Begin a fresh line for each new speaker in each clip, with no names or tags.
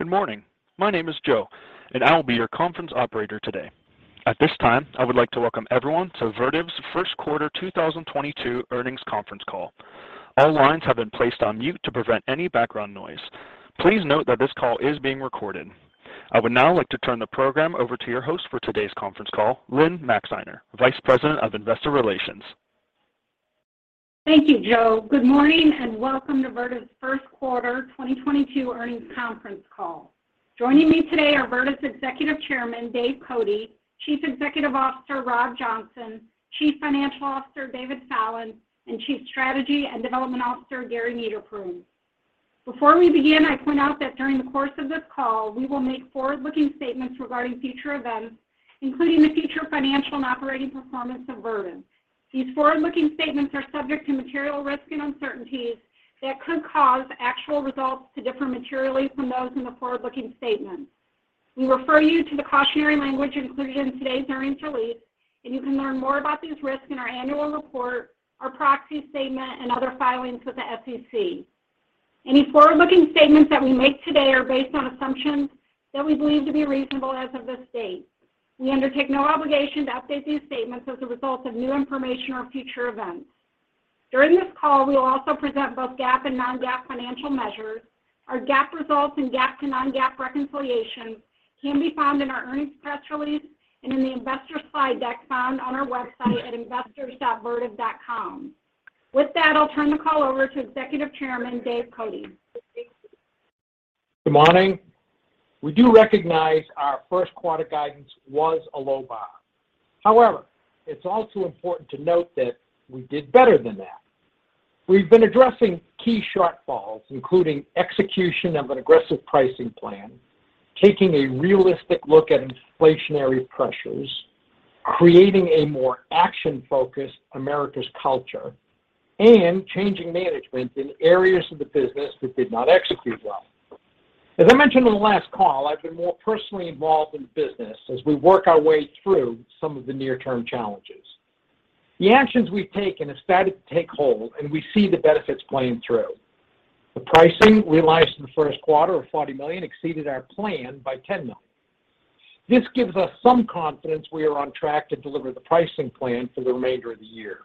Good morning. My name is Joe, and I will be your conference operator today. At this time, I would like to welcome everyone to Vertiv's Q1 2022 earnings conference call. All lines have been placed on mute to prevent any background noise. Please note that this call is being recorded. I would now like to turn the program over to your host for today's conference call, Lynne Maxeiner, Vice President of Investor Relations.
Thank you, Joe. Good morning, and welcome to Vertiv's Q1 2022 earnings conference call. Joining me today are Vertiv's Executive Chairman, Dave Cote, Chief Executive Officer, Rob Johnson, Chief Financial Officer, David Fallon, and Chief Strategy and Development Officer, Gary Niederpruem. Before we begin, I point out that during the course of this call, we will make forward-looking statements regarding future events, including the future financial and operating performance of Vertiv. These forward-looking statements are subject to material risks and uncertainties that could cause actual results to differ materially from those in the forward-looking statements. We refer you to the cautionary language included in today's earnings release, and you can learn more about these risks in our annual report, our proxy statement, and other filings with the SEC. Any forward-looking statements that we make today are based on assumptions that we believe to be reasonable as of this date. We undertake no obligation to update these statements as a result of new information or future events. During this call, we will also present both GAAP and non-GAAP financial measures. Our GAAP results and GAAP to non-GAAP reconciliations can be found in our earnings press release and in the investor slide deck found on our website at investors.Vertiv.com. With that, I'll turn the call over to Executive Chairman, Dave Cote.
Good morning. We do recognize our Q1 guidance was a low bar. However, it's also important to note that we did better than that. We've been addressing key shortfalls, including execution of an aggressive pricing plan, taking a realistic look at inflationary pressures, creating a more action-focused Americas culture, and changing management in areas of the business that did not execute well. As I mentioned on the last call, I've been more personally involved in business as we work our way through some of the near-term challenges. The actions we've taken have started to take hold, and we see the benefits playing through. The pricing realized in the Q1 of $40 million exceeded our plan by $10 million. This gives us some confidence we are on track to deliver the pricing plan for the remainder of the year.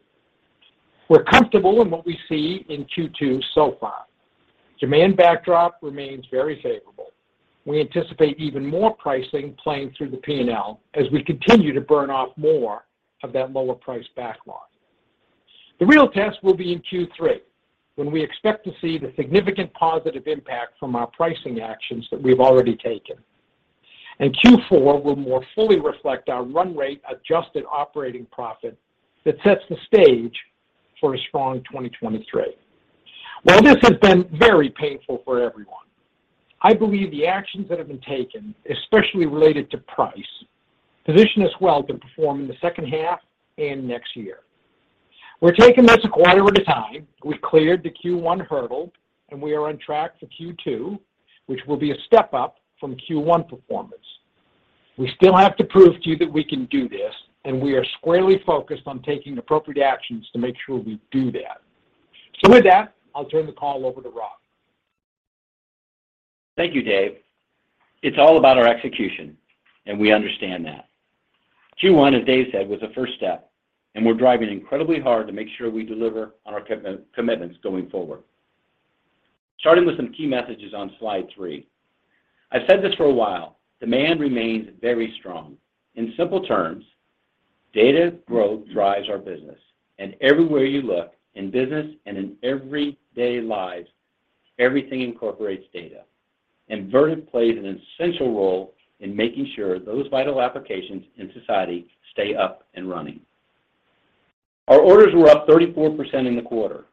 We're comfortable in what we see in Q2 so far. Demand backdrop remains very favorable. We anticipate even more pricing playing through the P&L as we continue to burn off more of that lower-priced backlog. The real test will be in Q3, when we expect to see the significant positive impact from our pricing actions that we've already taken. Q4 will more fully reflect our run rate adjusted operating profit that sets the stage for a strong 2023. While this has been very painful for everyone, I believe the actions that have been taken, especially related to price, position us well to perform in the second half and next year. We're taking this a quarter at a time. We cleared the Q1 hurdle, and we are on track for Q2, which will be a step up from Q1 performance. We still have to prove to you that we can do this, and we are squarely focused on taking appropriate actions to make sure we do that. With that, I'll turn the call over to Rob.
Thank you, Dave. It's all about our execution, and we understand that. Q1, as Dave said, was a first step, and we're driving incredibly hard to make sure we deliver on our commitments going forward. Starting with some key messages on slide three. I've said this for a while. Demand remains very strong. In simple terms, data growth drives our business, and everywhere you look, in business and in everyday lives, everything incorporates data. Vertiv plays an essential role in making sure those vital applications in society stay up and running. Our orders were up 34% in the quarter,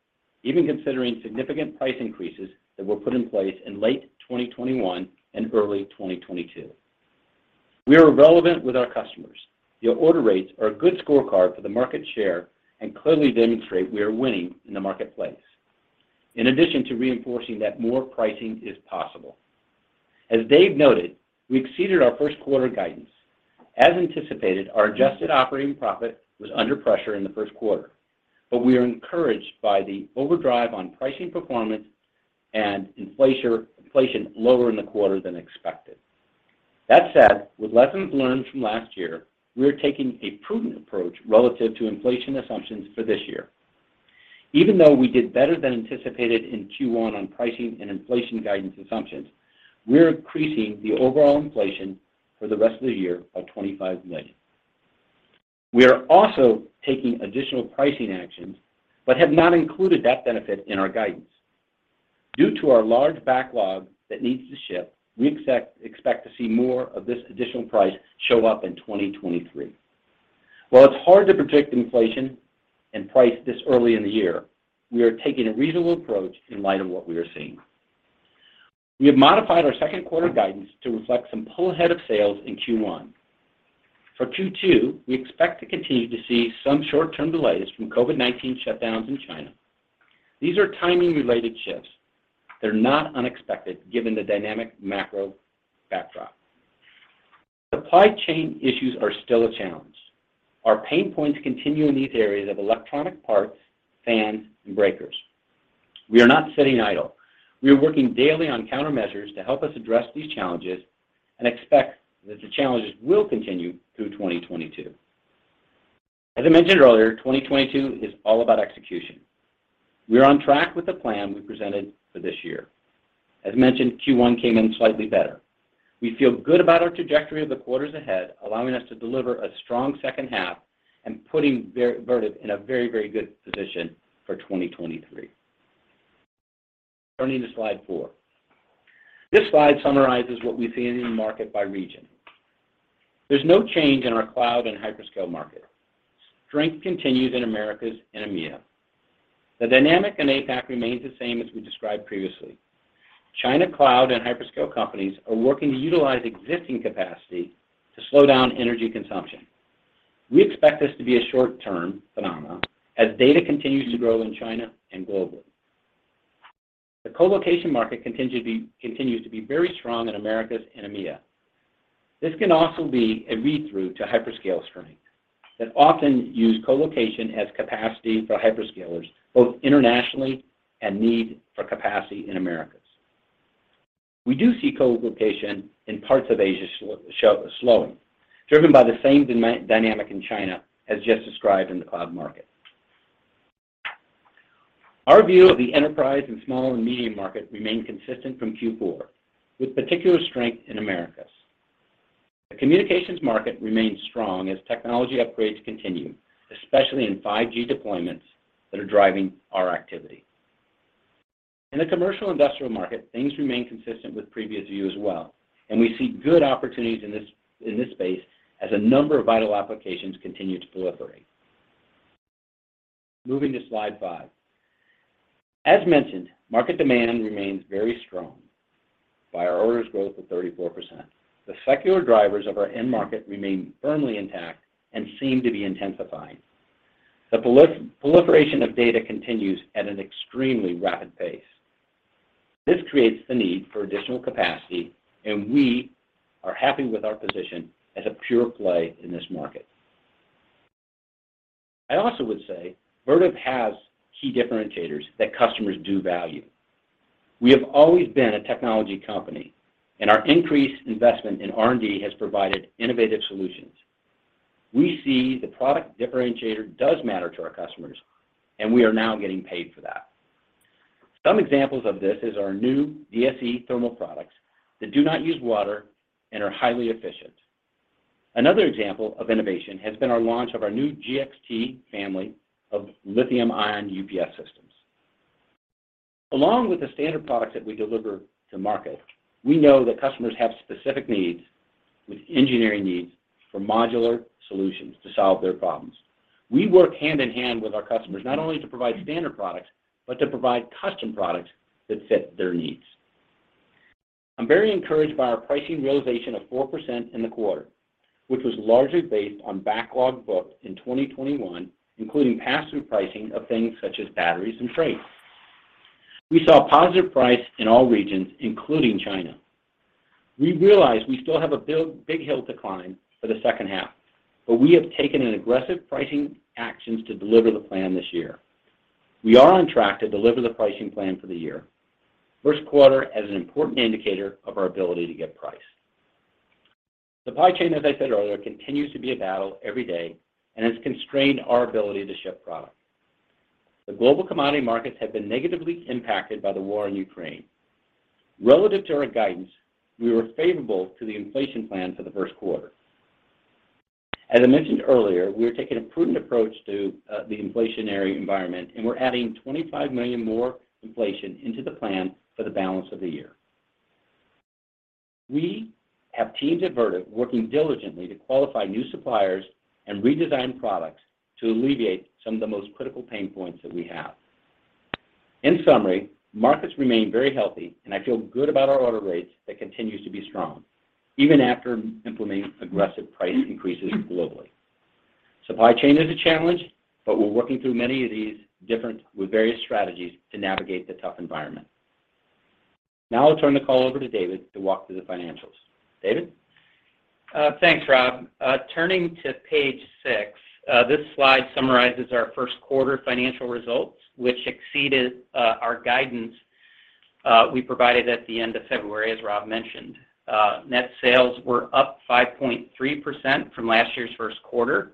even considering significant price increases that were put in place in late 2021 and early 2022. We are relevant with our customers. The order rates are a good scorecard for the market share and clearly demonstrate we are winning in the marketplace. In addition to reinforcing that more pricing is possible. As Dave noted, we exceeded our Q1 guidance. As anticipated, our adjusted operating profit was under pressure in the Q1, but we are encouraged by the overdrive on pricing performance and inflation lower in the quarter than expected. That said, with lessons learned from last year, we are taking a prudent approach relative to inflation assumptions for this year. Even though we did better than anticipated in Q1 on pricing and inflation guidance assumptions, we're increasing the overall inflation for the rest of the year by $25 million. We are also taking additional pricing actions, but have not included that benefit in our guidance. Due to our large backlog that needs to ship, we expect to see more of this additional price show up in 2023. While it's hard to predict inflation and price this early in the year, we are taking a reasonable approach in light of what we are seeing. We have modified our second quarter guidance to reflect some pull ahead of sales in Q1. For Q2, we expect to continue to see some short-term delays from COVID-19 shutdowns in China. These are timing-related shifts. They're not unexpected, given the dynamic macro backdrop. Supply chain issues are still a challenge. Our pain points continue in these areas of electronic parts, fans, and breakers. We are not sitting idle. We are working daily on countermeasures to help us address these challenges and expect that the challenges will continue through 2022. As I mentioned earlier, 2022 is all about execution. We are on track with the plan we presented for this year. As mentioned, Q1 came in slightly better. We feel good about our trajectory of the quarters ahead, allowing us to deliver a strong second half and putting Vertiv in a very, very good position for 2023. Turning to slide four. This slide summarizes what we see in the market by region. There's no change in our cloud and hyperscale market. Strength continues in Americas and EMEA. The dynamic in APAC remains the same as we described previously. China cloud and hyperscale companies are working to utilize existing capacity to slow down energy consumption. We expect this to be a short-term phenomenon as data continues to grow in China and globally. The colocation market continues to be very strong in Americas and EMEA. This can also be a read-through to hyperscale strength that often use colocation as capacity for hyperscalers, both internationally and need for capacity in Americas. We do see colocation in parts of Asia slowing, driven by the same dynamic in China as just described in the cloud market. Our view of the enterprise and small and medium market remain consistent from Q4, with particular strength in Americas. The communications market remains strong as technology upgrades continue, especially in 5G deployments that are driving our activity. In the commercial industrial market, things remain consistent with previous view as well, and we see good opportunities in this space as a number of vital applications continue to proliferate. Moving to slide five. As mentioned, market demand remains very strong by our orders growth of 34%. The secular drivers of our end market remain firmly intact and seem to be intensifying. The proliferation of data continues at an extremely rapid pace. This creates the need for additional capacity, and we are happy with our position as a pure play in this market. I also would say Vertiv has key differentiators that customers do value. We have always been a technology company, and our increased investment in R&D has provided innovative solutions. We see the product differentiator does matter to our customers, and we are now getting paid for that. Some examples of this is our new DSE thermal products that do not use water and are highly efficient. Another example of innovation has been our launch of our new GXT family of lithium-ion UPS systems. Along with the standard products that we deliver to market, we know that customers have specific needs with engineering needs for modular solutions to solve their problems. We work hand in hand with our customers not only to provide standard products, but to provide custom products that fit their needs. I'm very encouraged by our pricing realization of 4% in the quarter, which was largely based on backlog booked in 2021, including pass-through pricing of things such as batteries and freight. We saw positive price in all regions, including China. We realize we still have a big hill to climb for the second half, but we have taken an aggressive pricing actions to deliver the plan this year. We are on track to deliver the pricing plan for the year. Q1, as an important indicator of our ability to get price. Supply chain, as I said earlier, continues to be a battle every day and has constrained our ability to ship product. The global commodity markets have been negatively impacted by the war in Ukraine. Relative to our guidance, we were favorable to the inflation plan for the Q1. As I mentioned earlier, we are taking a prudent approach to the inflationary environment, and we're adding $25 million more inflation into the plan for the balance of the year. We have teams at Vertiv working diligently to qualify new suppliers and redesign products to alleviate some of the most critical pain points that we have. In summary, markets remain very healthy, and I feel good about our order rates that continues to be strong even after implementing aggressive price increases globally. Supply chain is a challenge, but we're working through many of these different with various strategies to navigate the tough environment. Now I'll turn the call over to David to walk through the financials. David?
Thanks, Rob. Turning to page six, this slide summarizes our Q1 financial results, which exceeded our guidance we provided at the end of February, as Rob mentioned. Net sales were up 5.3% from last year's Q1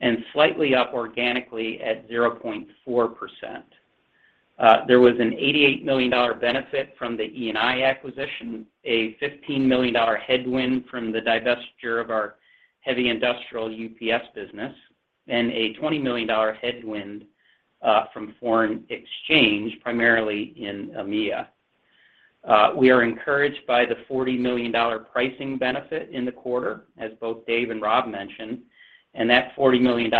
and slightly up organically at 0.4%. There was an $88 million benefit from the E&I acquisition, a $15 million headwind from the divestiture of our heavy industrial UPS business, and a $20 million headwind from foreign exchange, primarily in EMEA. We are encouraged by the $40 million pricing benefit in the quarter, as both Dave and Rob mentioned, and that $40 million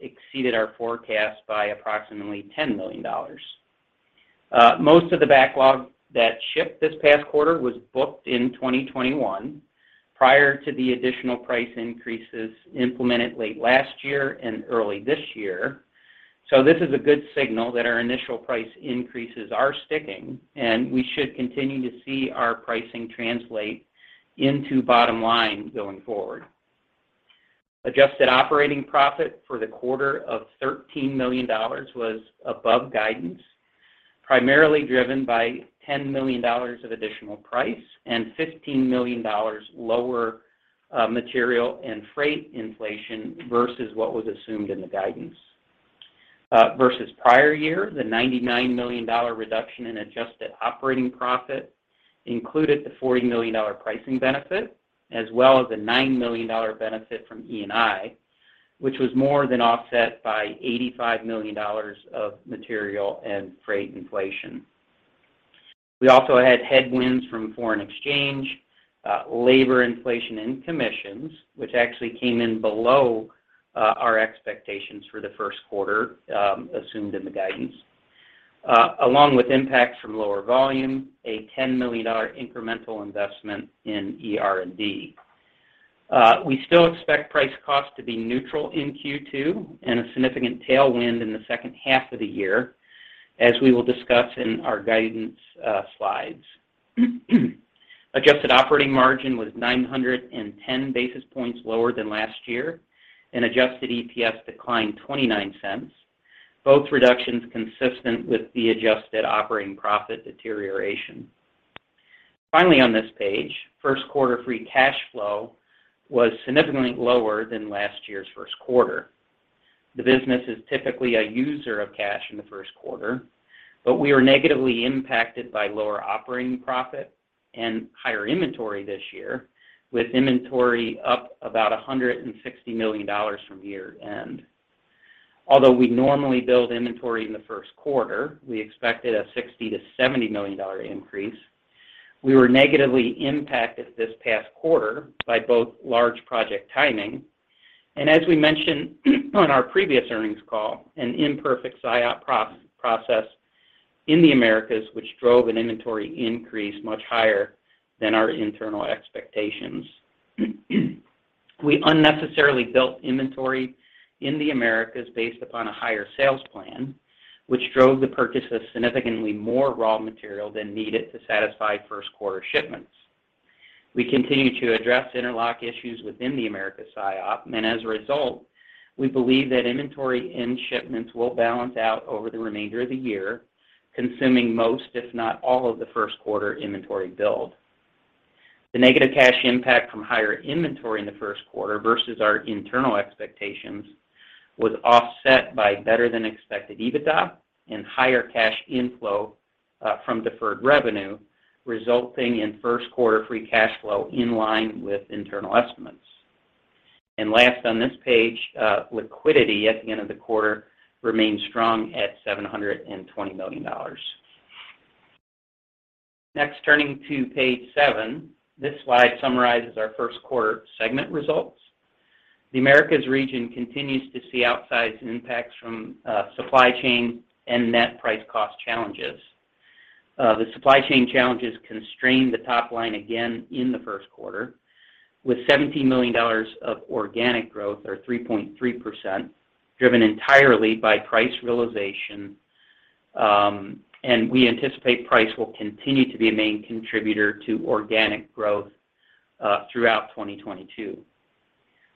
exceeded our forecast by approximately $10 million. Most of the backlog that shipped this past quarter was booked in 2021 prior to the additional price increases implemented late last year and early this year. This is a good signal that our initial price increases are sticking, and we should continue to see our pricing translate into bottom line going forward. Adjusted operating profit for the quarter of $13 million was above guidance, primarily driven by $10 million of additional price and $15 million lower material and freight inflation versus what was assumed in the guidance. Versus prior year, the $99 million reduction in adjusted operating profit included the $40 million pricing benefit, as well as a $9 million benefit from E&I, which was more than offset by $85 million of material and freight inflation. We also had headwinds from foreign exchange, labor inflation and commissions, which actually came in below our expectations for the Q1 assumed in the guidance. Along with impacts from lower volume, a $10 million incremental investment in ER&D. We still expect price cost to be neutral in Q2 and a significant tailwind in the second half of the year, as we will discuss in our guidance slides. Adjusted operating margin was 910 basis points lower than last year, and adjusted EPS declined $0.29, both reductions consistent with the adjusted operating profit deterioration. Finally on this page, Q1 free cash flow was significantly lower than last year's Q1. The business is typically a user of cash in the Q1, but we were negatively impacted by lower operating profit and higher inventory this year, with inventory up about $160 million from year-end. Although we normally build inventory in the Q1, we expected a $60-$70 million increase. We were negatively impacted this past quarter by both large project timing. As we mentioned on our previous earnings call, an imperfect SIOP process in the Americas, which drove an inventory increase much higher than our internal expectations. We unnecessarily built inventory in the Americas based upon a higher sales plan, which drove the purchase of significantly more raw material than needed to satisfy Q1 shipments. We continue to address interlock issues within the Americas SIOP, and as a result, we believe that inventory and shipments will balance out over the remainder of the year, consuming most, if not all, of the Q1 inventory build. The negative cash impact from higher inventory in the Q1 versus our internal expectations was offset by better than expected EBITDA and higher cash inflow from deferred revenue, resulting in Q1 free cash flow in line with internal estimates. Last on this page, liquidity at the end of the quarter remained strong at $720 million. Next, turning to page seven. This slide summarizes our Q1 segment results. The Americas region continues to see outsized impacts from supply chain and net price cost challenges. The supply chain challenges constrained the top line again in the Q1 with $17 million of organic growth or 3.3% driven entirely by price realization. We anticipate price will continue to be a main contributor to organic growth throughout 2022.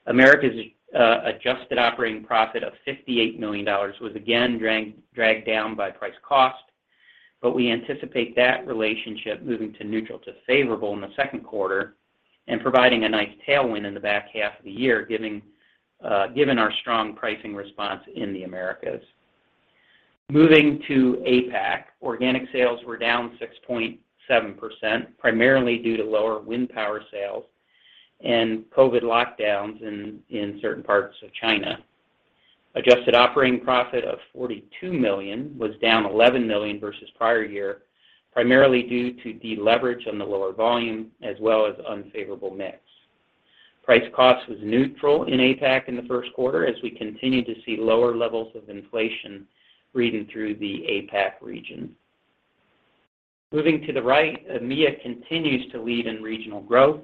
Americas adjusted operating profit of $58 million was again dragged down by price-cost, but we anticipate that relationship moving to neutral to favorable in the second quarter and providing a nice tailwind in the back half of the year given our strong pricing response in the Americas. Moving to APAC. Organic sales were down 6.7%, primarily due to lower wind power sales and COVID lockdowns in certain parts of China. Adjusted operating profit of $42 million was down $11 million versus prior year, primarily due to deleverage on the lower volume as well as unfavorable mix. Price cost was neutral in APAC in the Q1 as we continue to see lower levels of inflation reading through the APAC region. Moving to the right, EMEA continues to lead in regional growth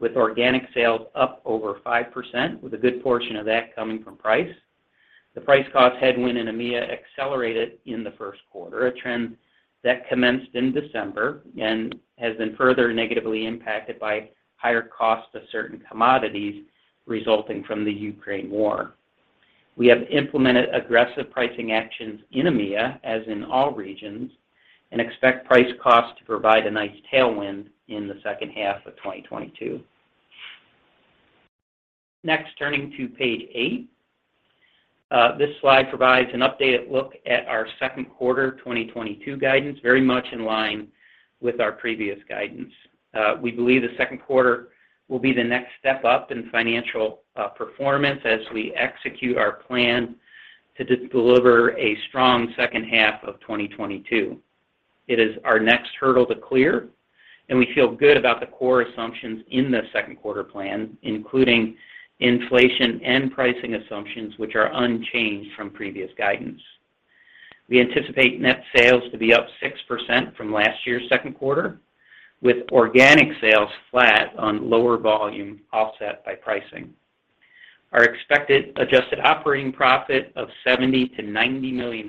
with organic sales up over 5% with a good portion of that coming from price. The price cost headwind in EMEA accelerated in the Q1, a trend that commenced in December and has been further negatively impacted by higher cost of certain commodities resulting from the Ukraine war. We have implemented aggressive pricing actions in EMEA, as in all regions, and expect price cost to provide a nice tailwind in the second half of 2022. Next, turning to page eight. This slide provides an updated look at our second quarter 2022 guidance, very much in line with our previous guidance. We believe the Q2 will be the next step up in financial performance as we execute our plan to deliver a strong second half of 2022. It is our next hurdle to clear, and we feel good about the core assumptions in the second quarter plan, including inflation and pricing assumptions, which are unchanged from previous guidance. We anticipate net sales to be up 6% from last year's second quarter, with organic sales flat on lower volume offset by pricing. Our expected adjusted operating profit of $70 million-$90 million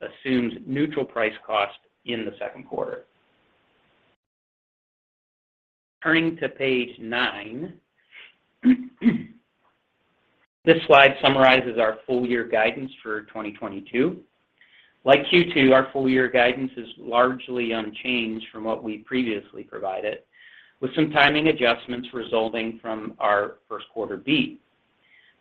assumes neutral price cost in the second quarter. Turning to page nine. This slide summarizes our full year guidance for 2022. Like Q2, our full year guidance is largely unchanged from what we previously provided, with some timing adjustments resulting from our Q1 beat.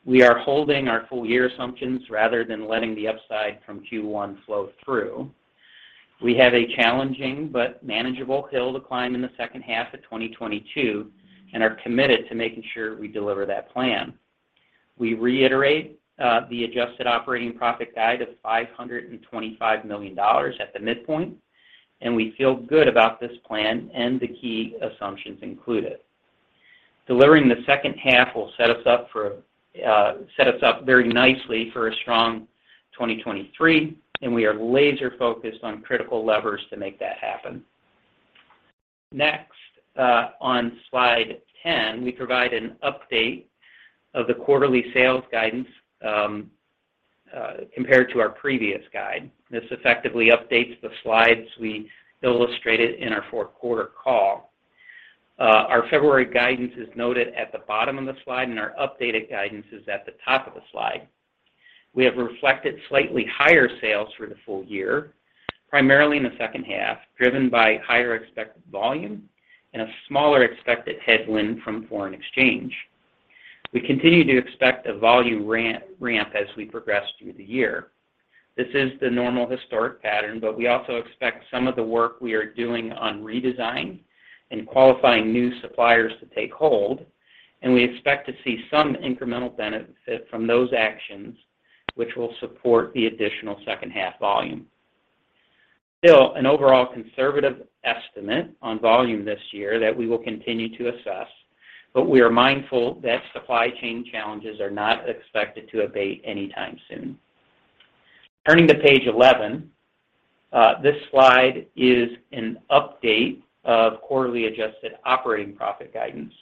We are holding our full year assumptions rather than letting the upside from Q1 flow through. We have a challenging but manageable hill to climb in the second half of 2022 and are committed to making sure we deliver that plan. We reiterate the adjusted operating profit guide of $525 million at the midpoint, and we feel good about this plan and the key assumptions included. Delivering the second half will set us up very nicely for a strong 2023, and we are laser-focused on critical levers to make that happen. Next, on slide 10, we provide an update of the quarterly sales guidance compared to our previous guide. This effectively updates the slides we illustrated in our Q4 call. Our February guidance is noted at the bottom of the slide, and our updated guidance is at the top of the slide. We have reflected slightly higher sales for the full year, primarily in the second half, driven by higher expected volume and a smaller expected headwind from foreign exchange. We continue to expect a volume ramp as we progress through the year. This is the normal historic pattern, but we also expect some of the work we are doing on redesign and qualifying new suppliers to take hold, and we expect to see some incremental benefit from those actions, which will support the additional second half volume. Still, an overall conservative estimate on volume this year that we will continue to assess, but we are mindful that supply chain challenges are not expected to abate anytime soon. Turning to page 11. This slide is an update of quarterly adjusted operating profit guidance.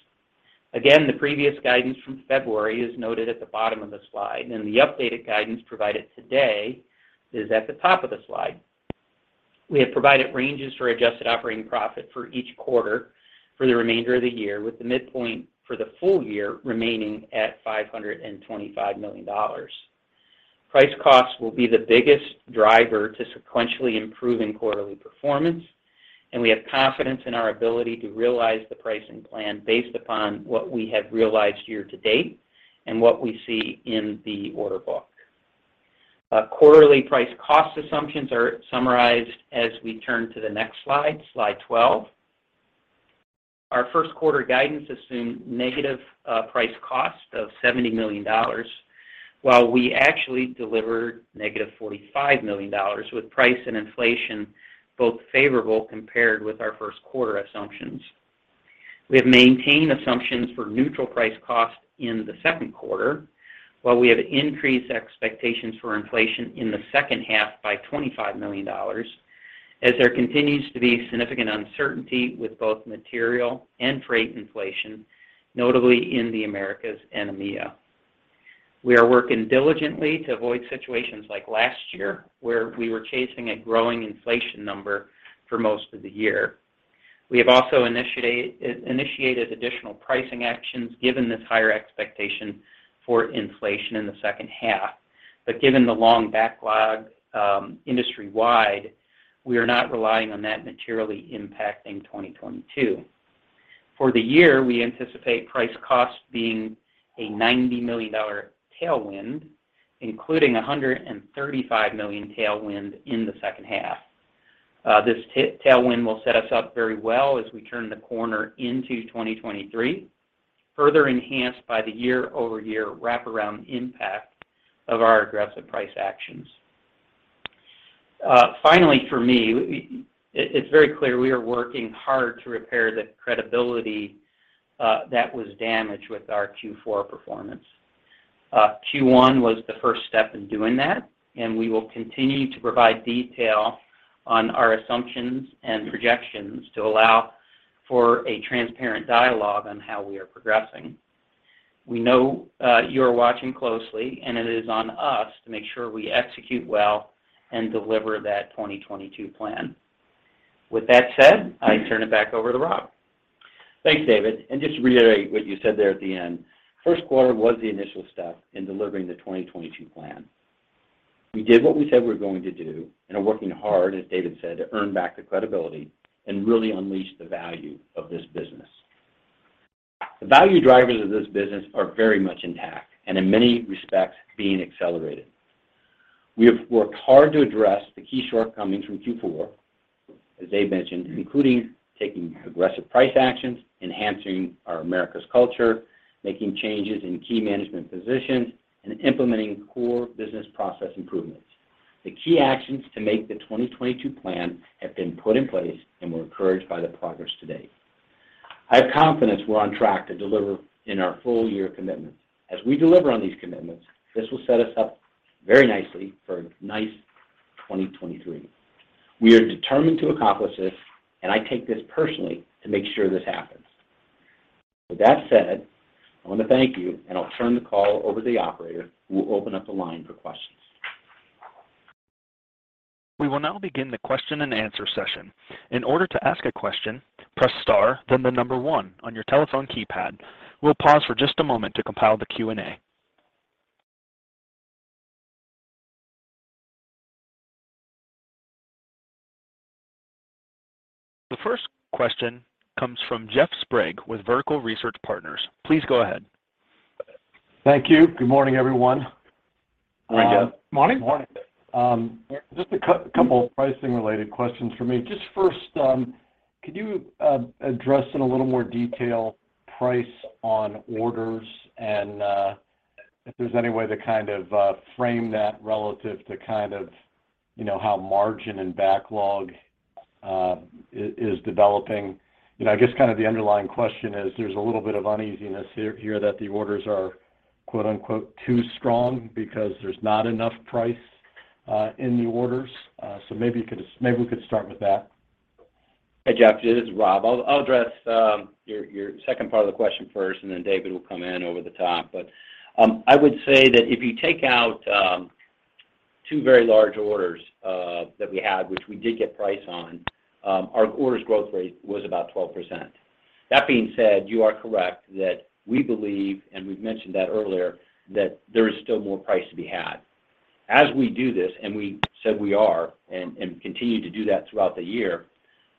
Again, the previous guidance from February is noted at the bottom of the slide, and the updated guidance provided today is at the top of the slide. We have provided ranges for adjusted operating profit for each quarter for the remainder of the year, with the midpoint for the full year remaining at $525 million. Price costs will be the biggest driver to sequentially improving quarterly performance, and we have confidence in our ability to realize the pricing plan based upon what we have realized year-to-date and what we see in the order book. Quarterly price cost assumptions are summarized as we turn to the next slide 12. Our Q1 guidance assumed negative price cost of $70 million, while we actually delivered -$45 million, with price and inflation both favorable compared with our Q1 assumptions. We have maintained assumptions for neutral price cost in the second quarter, while we have increased expectations for inflation in the second half by $25 million, as there continues to be significant uncertainty with both material and freight inflation, notably in the Americas and EMEA. We are working diligently to avoid situations like last year, where we were chasing a growing inflation number for most of the year. We have also initiated additional pricing actions given this higher expectation for inflation in the second half. Given the long backlog, industry-wide, we are not relying on that materially impacting 2022. For the year, we anticipate price cost being a $90 million tailwind, including a $135 million tailwind in the second half. This tailwind will set us up very well as we turn the corner into 2023, further enhanced by the year-over-year wraparound impact of our aggressive price actions. Finally, for me, it's very clear we are working hard to repair the credibility that was damaged with our Q4 performance. Q1 was the first step in doing that, and we will continue to provide detail on our assumptions and projections to allow for a transparent dialogue on how we are progressing. We know you are watching closely, and it is on us to make sure we execute well and deliver that 2022 plan. With that said, I turn it back over to Rob.
Thanks, David. Just to reiterate what you said there at the end, Q1 was the initial step in delivering the 2022 plan. We did what we said we were going to do and are working hard, as David said, to earn back the credibility and really unleash the value of this business. The value drivers of this business are very much intact and in many respects being accelerated. We have worked hard to address the key shortcomings from Q4, as Dave mentioned, including taking aggressive price actions, enhancing our Americas culture, making changes in key management positions, and implementing core business process improvements. The key actions to make the 2022 plan have been put in place, and we're encouraged by the progress to date. I have confidence we're on track to deliver in our full year commitments. As we deliver on these commitments, this will set us up very nicely for a nice 2023. We are determined to accomplish this, and I take this personally to make sure this happens. With that said, I want to thank you, and I'll turn the call over to the operator, who will open up the line for questions.
We will now begin the question and answer session. In order to ask a question, press star, then one on your telephone keypad. We'll pause for just a moment to compile the Q&A. The first question comes from Jeff Sprague with Vertical Research Partners. Please go ahead.
Thank you. Good morning, everyone.
Morning.
Morning.
Just a couple pricing-related questions for me. Just first, could you address in a little more detail price on orders and if there's any way to kind of frame that relative to kind of, you know, how margin and backlog is developing. You know, I guess kind of the underlying question is there's a little bit of uneasiness here that the orders are, quote, unquote, "too strong" because there's not enough price in the orders. Maybe we could start with that.
Hey, Jeff, it is Rob. I'll address your second part of the question first, and then David will come in over the top. I would say that if you take out two very large orders that we had, which we did get price on, our orders growth rate was about 12%. That being said, you are correct that we believe, and we've mentioned that earlier, that there is still more price to be had. As we do this, and we said we are and continue to do that throughout the year,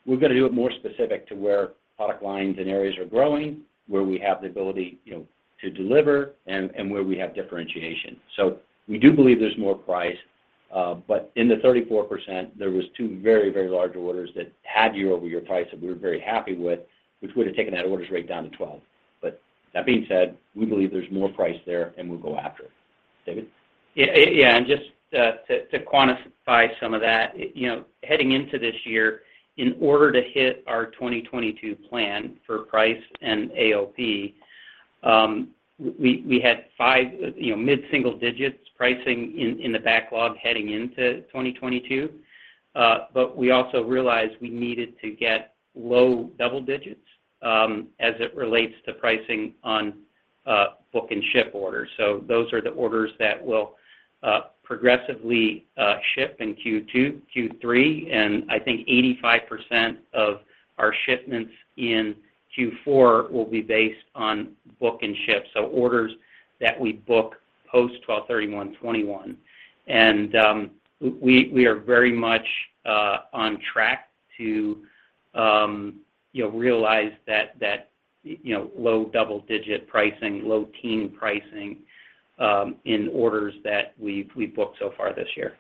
we're gonna do it more specific to where product lines and areas are growing, where we have the ability, you know, to deliver, and where we have differentiation. We do believe there's more price, but in the 34%, there was two very, very large orders that had year-over-year price that we were very happy with, which would have taken that orders rate down to 12%. That being said, we believe there's more price there, and we'll go after it. David?
Yeah. Just to quantify some of that, you know, heading into this year, in order to hit our 2022 plan for price and AOP, we had five, you know, mid-single digits pricing in the backlog heading into 2022. We also realized we needed to get low double digits as it relates to pricing on book and ship orders. Those are the orders that will progressively ship in Q2, Q3, and I think 85% of our shipments in Q4 will be based on book and ship. Orders that we book post-12/31/2021. We are very much on track to, you know, realize that low double-digit pricing, low teen pricing in orders that we've booked so far this year.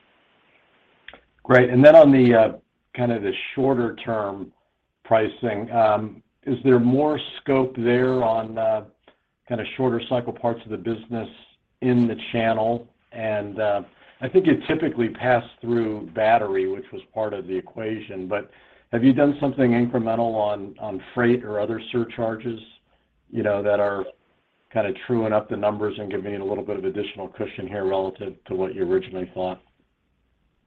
Great. Then on the kind of the shorter term pricing, is there more scope there on kind of shorter cycle parts of the business in the channel? I think it typically passed through battery, which was part of the equation, but have you done something incremental on freight or other surcharges, you know, that are kind of truing up the numbers and giving you a little bit of additional cushion here relative to what you originally thought?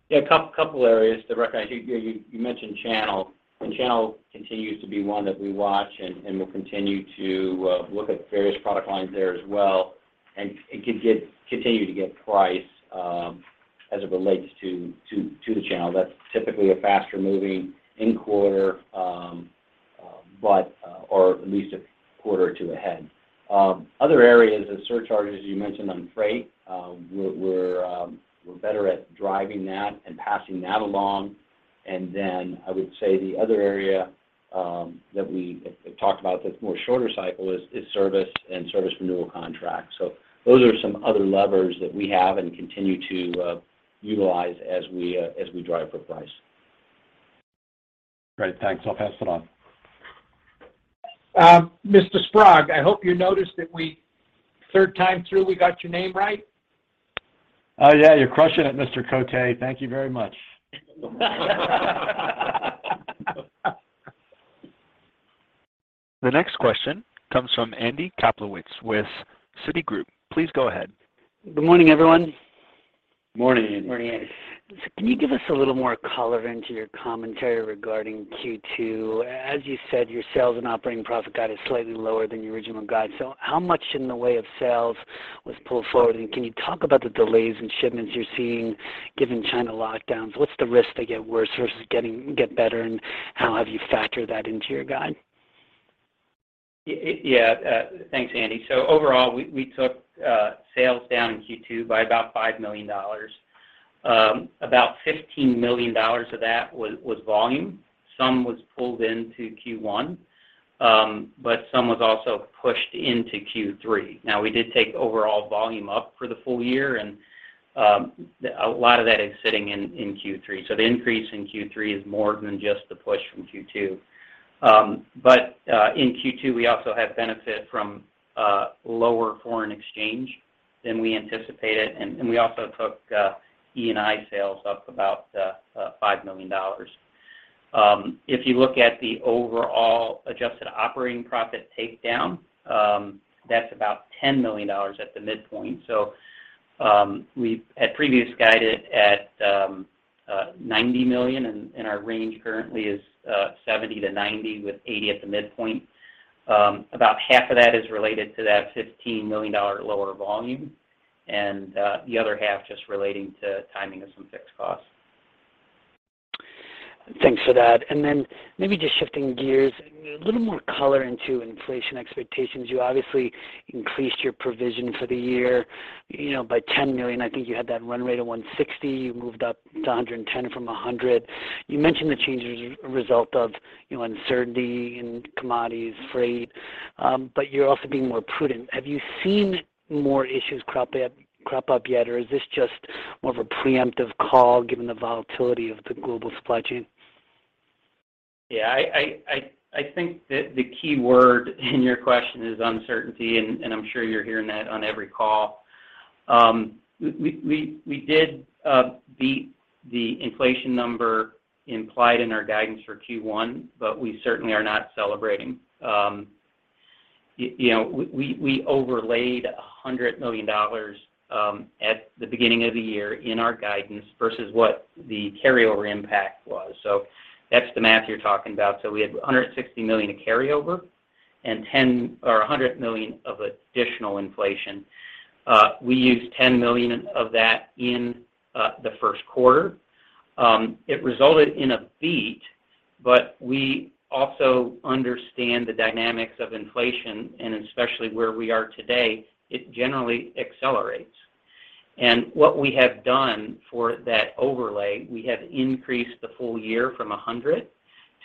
Yeah. A couple areas. I think you mentioned channel, and channel continues to be one that we watch and we'll continue to look at various product lines there as well. It could continue to get price as it relates to the channel. That's typically a faster moving in quarter, or at least a quarter or two ahead. Other areas of surcharges, as you mentioned on freight, we're better at driving that and passing that along. I would say the other area that we have talked about that's more shorter cycle is service and service renewal contracts. Those are some other levers that we have and continue to utilize as we drive for price.
Great. Thanks. I'll pass it on.
Mr. Sprague, I hope you noticed that, third time through, we got your name right.
Oh, yeah. You're crushing it, Mr. Cote. Thank you very much.
The next question comes from Andy Kaplowitz with Citigroup. Please go ahead.
Good morning, everyone.
Morning, Andy.
Morning, Andy.
Can you give us a little more color into your commentary regarding Q2? As you said, your sales and operating profit guide is slightly lower than your original guide. How much in the way of sales was pulled forward? Can you talk about the delays in shipments you're seeing given China lockdowns? What's the risk they get worse versus get better, and how have you factored that into your guide?
Yeah. Thanks, Andy. Overall, we took sales down in Q2 by about $5 million. About $15 million of that was volume. Some was pulled into Q1, but some was also pushed into Q3. Now, we did take overall volume up for the full year, and a lot of that is sitting in Q3. The increase in Q3 is more than just the push from Q2. In Q2, we also have benefit from lower foreign exchange than we anticipated. We also took E&I sales up about $5 million. If you look at the overall adjusted operating profit takedown, that's about $10 million at the midpoint. We had previously guided at $90 million and our range currently is $70 million-$90 million with $80 million at the midpoint. About half of that is related to that $15 million lower volume and the other half just relating to timing of some fixed costs.
Thanks for that. Then maybe just shifting gears, a little more color into inflation expectations. You obviously increased your provision for the year, you know, by $10 million. I think you had that run rate of $160. You moved up to $110 from $100. You mentioned the change is a result of, you know, uncertainty in commodities, freight, but you're also being more prudent. Have you seen more issues crop up yet? Or is this just more of a preemptive call given the volatility of the global supply chain?
Yeah. I think that the key word in your question is uncertainty, and I'm sure you're hearing that on every call. We did beat the inflation number implied in our guidance for Q1, but we certainly are not celebrating. You know, we overlaid $100 million at the beginning of the year in our guidance versus what the carryover impact was. That's the math you're talking about. We had $160 million of carryover and 10 or 100 million of additional inflation. We used $10 million of that in the Q1. It resulted in a beat, but we also understand the dynamics of inflation, and especially where we are today, it generally accelerates. What we have done for that overlay, we have increased the full year from $100 million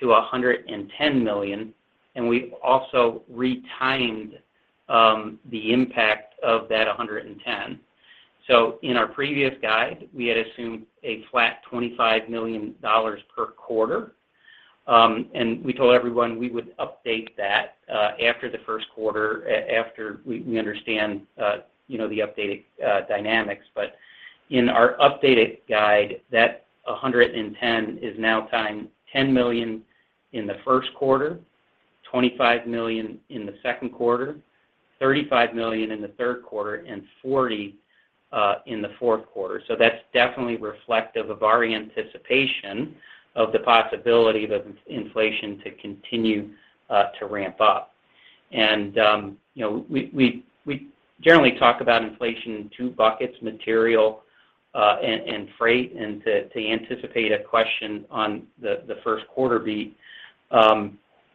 to $110 million, and we've also retimed the impact of that $110 million. In our previous guide, we had assumed a flat $25 million per quarter, and we told everyone we would update that after the Q1, after we understand you know the updated dynamics. But in our updated guide, that $110 million is now timed $10 million in the Q1, $25 million in the Q2, $35 million in the Q3, and $40 million in the Q4. That's definitely reflective of our anticipation of the possibility of inflation to continue to ramp up. You know, we generally talk about inflation in two buckets, material and freight. To anticipate a question on the Q1 beat,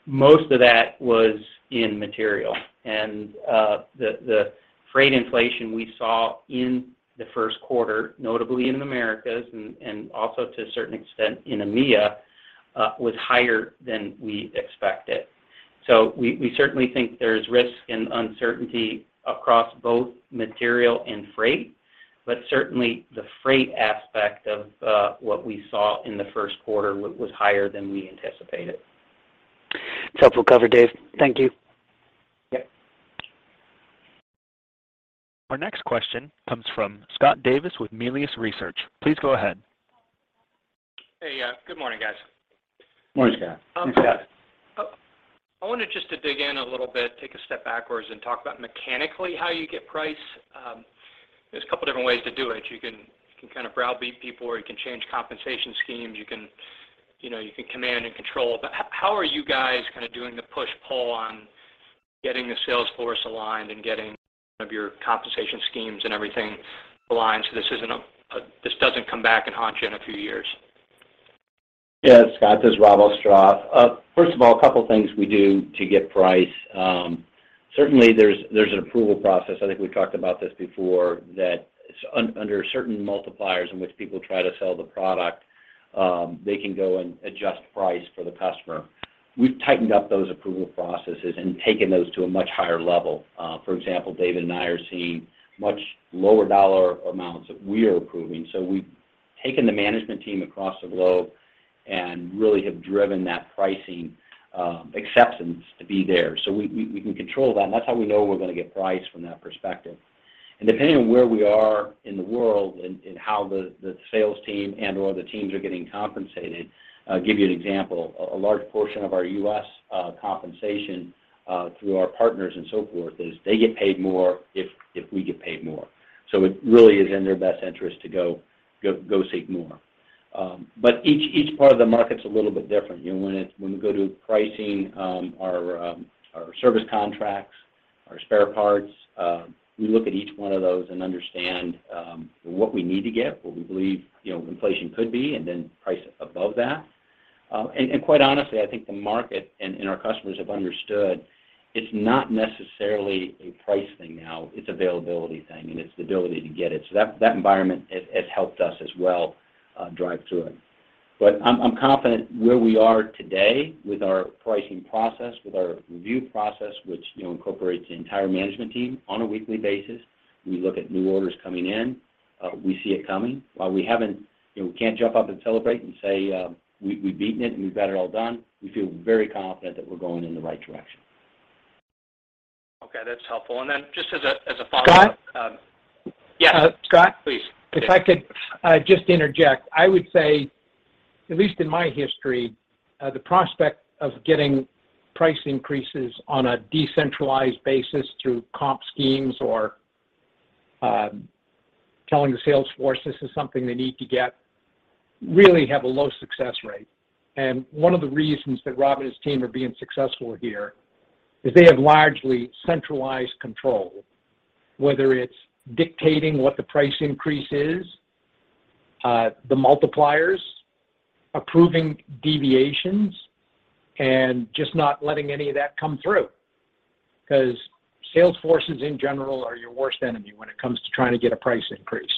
most of that was in material. The freight inflation we saw in the Q1, notably in Americas and also to a certain extent in EMEA, was higher than we expected. We certainly think there's risk and uncertainty across both material and freight, but certainly the freight aspect of what we saw in the Q1 was higher than we anticipated.
It's helpful coverage, Dave. Thank you.
Yep.
Our next question comes from Scott Davis with Melius Research. Please go ahead.
Hey. Yeah, good morning, guys.
Morning, Scott.
Hey, Scott.
I wanted just to dig in a little bit, take a step backwards, and talk about mechanically how you get price. There's a couple different ways to do it. You can kind of browbeat people, or you can change compensation schemes. You know, you can command and control. How are you guys kind of doing the push-pull on getting the sales force aligned and getting your compensation schemes and everything aligned so this doesn't come back and haunt you in a few years?
Yeah. Scott, this is Rob Johnson. First of all, a couple things we do to get price. Certainly there's an approval process, I think we've talked about this before, that under certain multipliers in which people try to sell the product, they can go and adjust price for the customer. We've tightened up those approval processes and taken those to a much higher level. For example, David Fallon and I are seeing much lower dollar amounts that we are approving. We've taken the management team across the globe and really have driven that pricing, acceptance to be there. We can control that, and that's how we know we're gonna get price from that perspective. Depending on where we are in the world and how the sales team and/or the teams are getting compensated, I'll give you an example. A large portion of our U.S. compensation through our partners and so forth is they get paid more if we get paid more. It really is in their best interest to go seek more. Each part of the market's a little bit different. You know, when we go to pricing, our service contracts, our spare parts, we look at each one of those and understand what we need to get, what we believe, you know, inflation could be, and then price above that. Quite honestly, I think the market and our customers have understood it's not necessarily a price thing now, it's availability thing, and it's the ability to get it. That environment has helped us as well drive through it. I'm confident where we are today with our pricing process, with our review process, which, you know, incorporates the entire management team on a weekly basis. We look at new orders coming in. We see it coming. While we haven't, you know, we can't jump up and celebrate and say, we've beaten it and we've got it all done, we feel very confident that we're going in the right direction.
Okay. That's helpful. Just as a follow-up.
Scott?
Yeah.
Scott?
Please.
If I could just interject, I would say, at least in my history, the prospect of getting price increases on a decentralized basis through comp schemes or, telling the sales force this is something they need to get really have a low success rate. One of the reasons that Rob and his team are being successful here is they have largely centralized control, whether it's dictating what the price increase is, the multipliers, approving deviations, and just not letting any of that come through. 'Cause sales forces in general are your worst enemy when it comes to trying to get a price increase.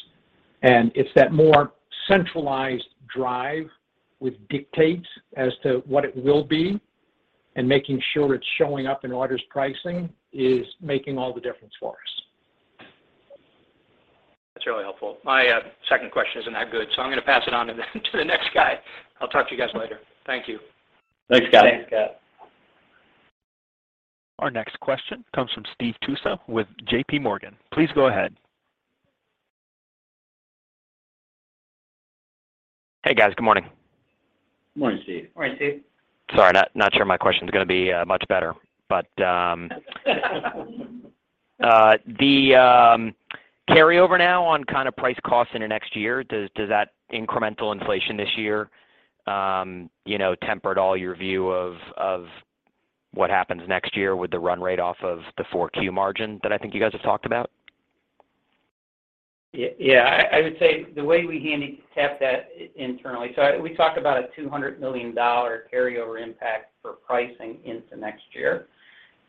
It's that more centralized drive with dictates as to what it will be, and making sure it's showing up in orders pricing, is making all the difference for us.
That's really helpful. My second question isn't that good, so I'm gonna pass it on to the next guy. I'll talk to you guys later. Thank you.
Thanks, Scott.
Thanks, Scott.
Our next question comes from Steve Tusa with JPMorgan. Please go ahead.
Hey, guys. Good morning.
Morning, Steve.
Morning, Steve.
Sorry, not sure my question's gonna be much better. The carryover now on kind of price costs into next year, does that incremental inflation this year, you know, temper at all your view of what happens next year with the run rate off of the Q4 margin that I think you guys have talked about?
Yeah. I would say the way we handicap that internally. We talk about a $200 million carryover impact for pricing into next year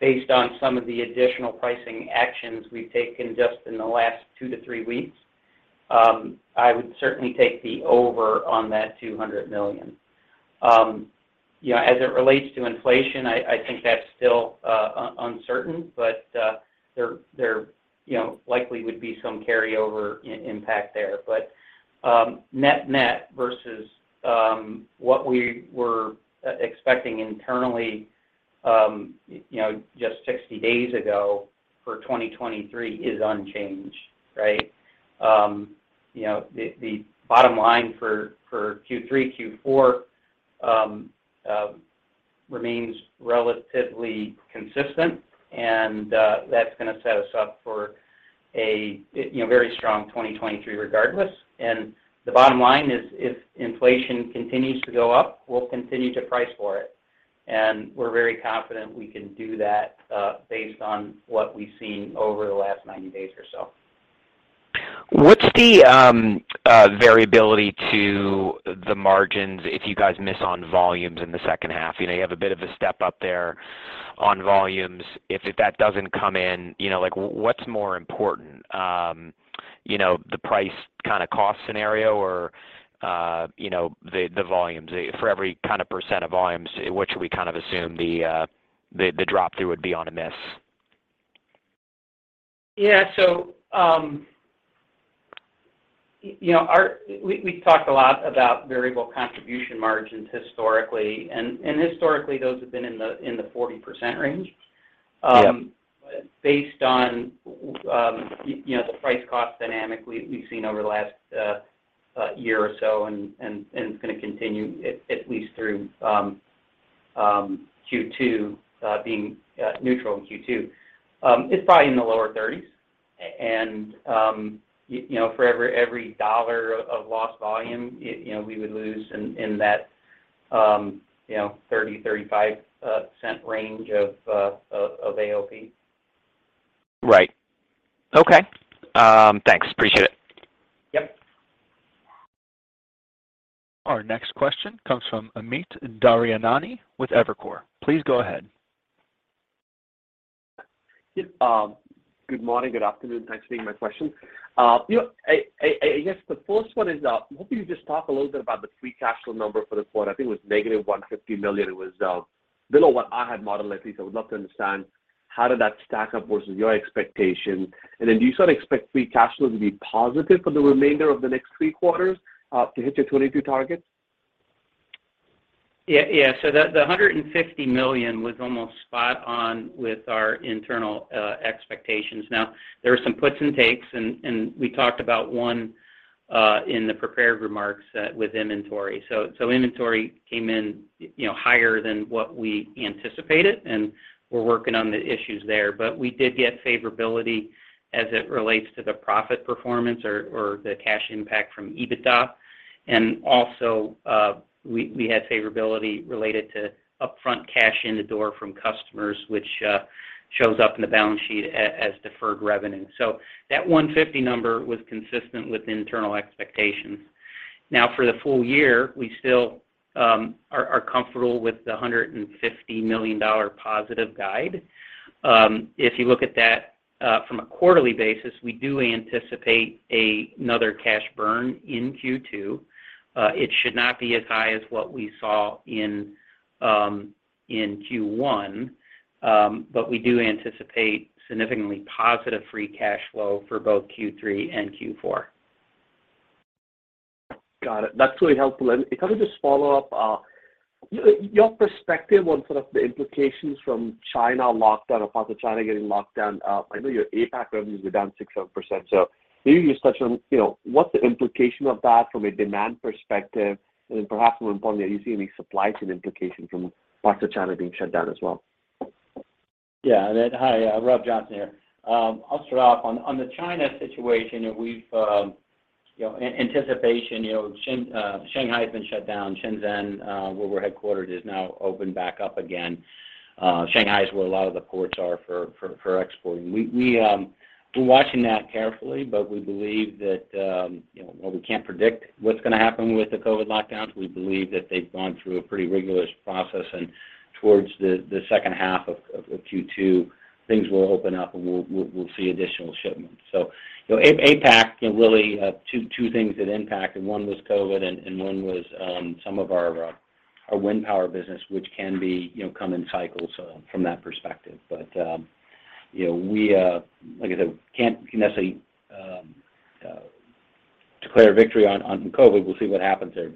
based on some of the additional pricing actions we've taken just in the last 2-3 weeks. I would certainly take the over on that $200 million. You know, as it relates to inflation, I think that's still uncertain, but there you know, likely would be some carryover impact there. Net-net versus what we were expecting internally, you know, just 60 days ago for 2023 is unchanged, right? You know, the bottom line for Q3, Q4 remains relatively consistent and that's gonna set us up for a you know, very strong 2023 regardless. The bottom line is if inflation continues to go up, we'll continue to price for it, and we're very confident we can do that, based on what we've seen over the last 90 days or so.
What's the variability to the margins if you guys miss on volumes in the second half? You know, you have a bit of a step up there on volumes. If that doesn't come in, you know, like what's more important? You know, the price kind of cost scenario or, you know, the volumes? For every kind of % of volumes, what should we kind of assume the drop-through would be on a miss?
Yeah. You know, we talked a lot about variable contribution margins historically, and historically, those have been in the 40% range.
Yeah.
Based on you know the price-cost dynamic we've seen over the last year or so and it's gonna continue at least through Q2, being neutral in Q2. It's probably in the low 30s% and you know for every dollar of lost volume you know we would lose in that $0.30-$0.35 range of AOP.
Right. Okay. Thanks. Appreciate it.
Yep.
Our next question comes from Amit Daryanani with Evercore. Please go ahead.
Yeah. Good morning, good afternoon. Thanks for taking my question. You know, I guess the first one is, maybe you just talk a little bit about the free cash flow number for the quarter. I think it was negative $150 million. It was below what I had modeled at least. I would love to understand how did that stack up versus your expectation? Then do you sort of expect free cash flow to be positive for the remainder of the next three quarters, to hit your 2022 targets?
Yeah. The $150 million was almost spot on with our internal expectations. Now, there were some puts and takes and we talked about one in the prepared remarks with inventory. Inventory came in, you know, higher than what we anticipated, and we're working on the issues there. But we did get favorability as it relates to the profit performance or the cash impact from EBITDA. Also, we had favorability related to upfront cash in the door from customers, which shows up in the balance sheet as deferred revenue. That 150 number was consistent with internal expectations. Now, for the full year, we still are comfortable with the $150 million positive guide. If you look at that, from a quarterly basis, we do anticipate another cash burn in Q2. It should not be as high as what we saw in in Q1, but we do anticipate significantly positive free cash flow for both Q3 and Q4.
Got it. That's really helpful. If I could just follow up, your perspective on sort of the implications from China lockdown or parts of China getting locked down. I know your APAC revenues were down 6%-7%, so maybe just touch on, you know, what's the implication of that from a demand perspective, and then perhaps more importantly, are you seeing any supply chain implications from parts of China being shut down as well?
Yeah. Hi, Rob Johnson here. I'll start off. On the China situation, we've you know in anticipation you know Shanghai has been shut down. Shenzhen, where we're headquartered, is now open back up again. Shanghai is where a lot of the ports are for exporting. We're watching that carefully, but we believe that, you know, while we can't predict what's gonna happen with the COVID lockdowns, we believe that they've gone through a pretty rigorous process, and towards the second half of Q2, things will open up, and we'll see additional shipments. You know, APAC, you know, really, two things that impact, and one was COVID and one was some of our wind power business, which can be, you know, come in cycles, from that perspective. You know, we like I said, can't necessarily declare victory on COVID. We'll see what happens there.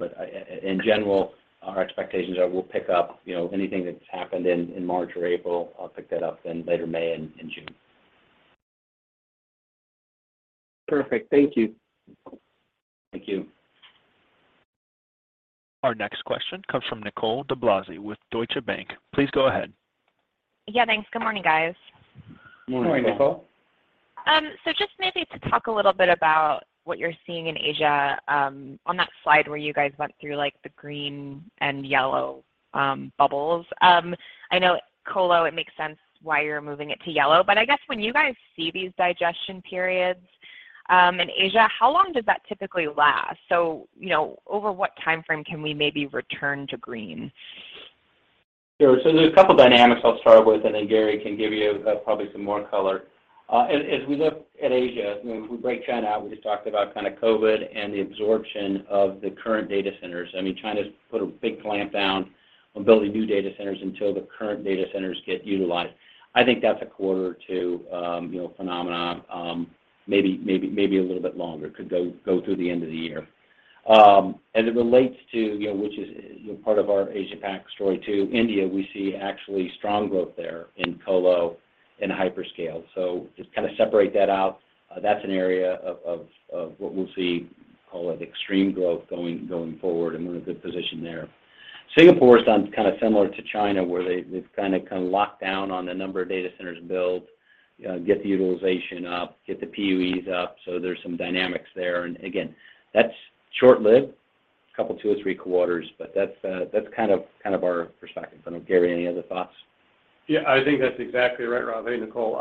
In general, our expectations are we'll pick up, you know, anything that's happened in March or April, I'll pick that up in later May and June.
Perfect. Thank you.
Thank you.
Our next question comes from Nicole DeBlase with Deutsche Bank. Please go ahead.
Yeah, thanks. Good morning, guys.
Morning, Nicole.
Good morning, Nicole.
Just maybe to talk a little bit about what you're seeing in Asia, on that slide where you guys went through, like, the green and yellow bubbles. I know colo, it makes sense why you're moving it to yellow, but I guess when you guys see these digestion periods in Asia, how long does that typically last? You know, over what timeframe can we maybe return to green?
Sure. There's a couple dynamics I'll start with, and then Gary can give you probably some more color. As we look at Asia, you know, if we break China out, we just talked about kind of COVID and the absorption of the current data centers. I mean, China's put a big clamp down on building new data centers until the current data centers get utilized. I think that's a quarter or two, you know, phenomenon. Maybe a little bit longer. Could go through the end of the year. As it relates to, you know, which is, you know, part of our Asia Pac story too, India, we see actually strong growth there in colo and hyperscale. Just kind of separate that out. That's an area of what we'll see, call it extreme growth going forward, and we're in a good position there. Singapore sounds kind of similar to China, where they've kind of locked down on the number of data centers built, get the utilization up, get the PUEs up. There's some dynamics there, and again, that's short-lived, couple, two or three quarters, but that's kind of our perspective. I don't know, Gary, any other thoughts?
Yeah, I think that's exactly right, Rob. Hey, Nicole.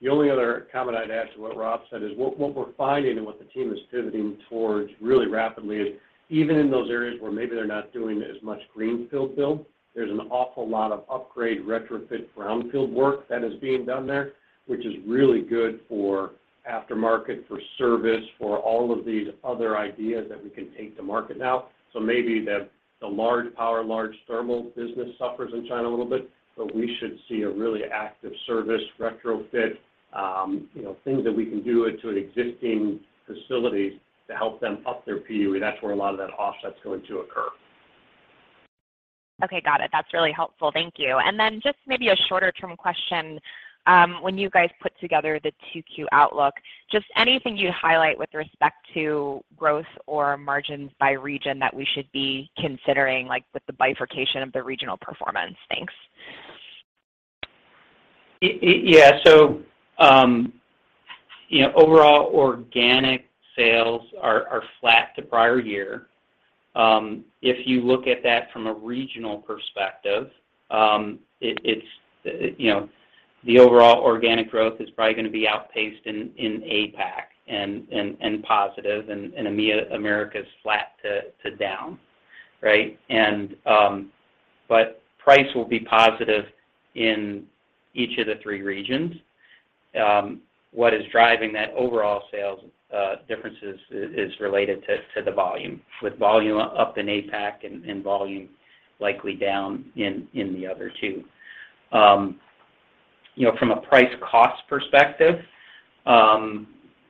The only other comment I'd add to what Rob said is what we're finding and what the team is pivoting towards really rapidly is even in those areas where maybe they're not doing as much greenfield build, there's an awful lot of upgrade, retrofit brownfield work that is being done there, which is really good for aftermarket, for service, for all of these other ideas that we can take to market now. Maybe the large power, large thermal business suffers in China a little bit, but we should see a really active service retrofit, you know, things that we can do to an existing facility to help them up their PUE. That's where a lot of that offset's going to occur.
Okay. Got it. That's really helpful. Thank you. Just maybe a shorter term question. When you guys put together the Q2 outlook, just anything you'd highlight with respect to growth or margins by region that we should be considering, like with the bifurcation of the regional performance? Thanks.
Yeah. Overall organic sales are flat to prior year. If you look at that from a regional perspective, it's the overall organic growth is probably gonna be outpaced in APAC and positive in EMEA. Americas flat to down, right? But price will be positive in each of the three regions. What is driving that overall sales differences is related to the volume, with volume up in APAC and volume likely down in the other two. From a price cost perspective, in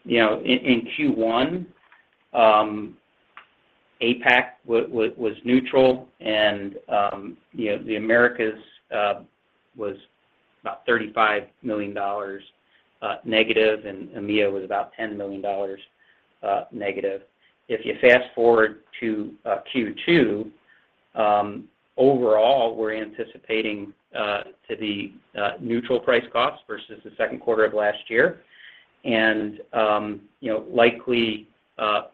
Q1, APAC was neutral, and the Americas was about $35 million negative, and EMEA was about $10 million negative. If you fast-forward to Q2, overall, we're anticipating to be neutral price cost versus the Q2 of last year and you know likely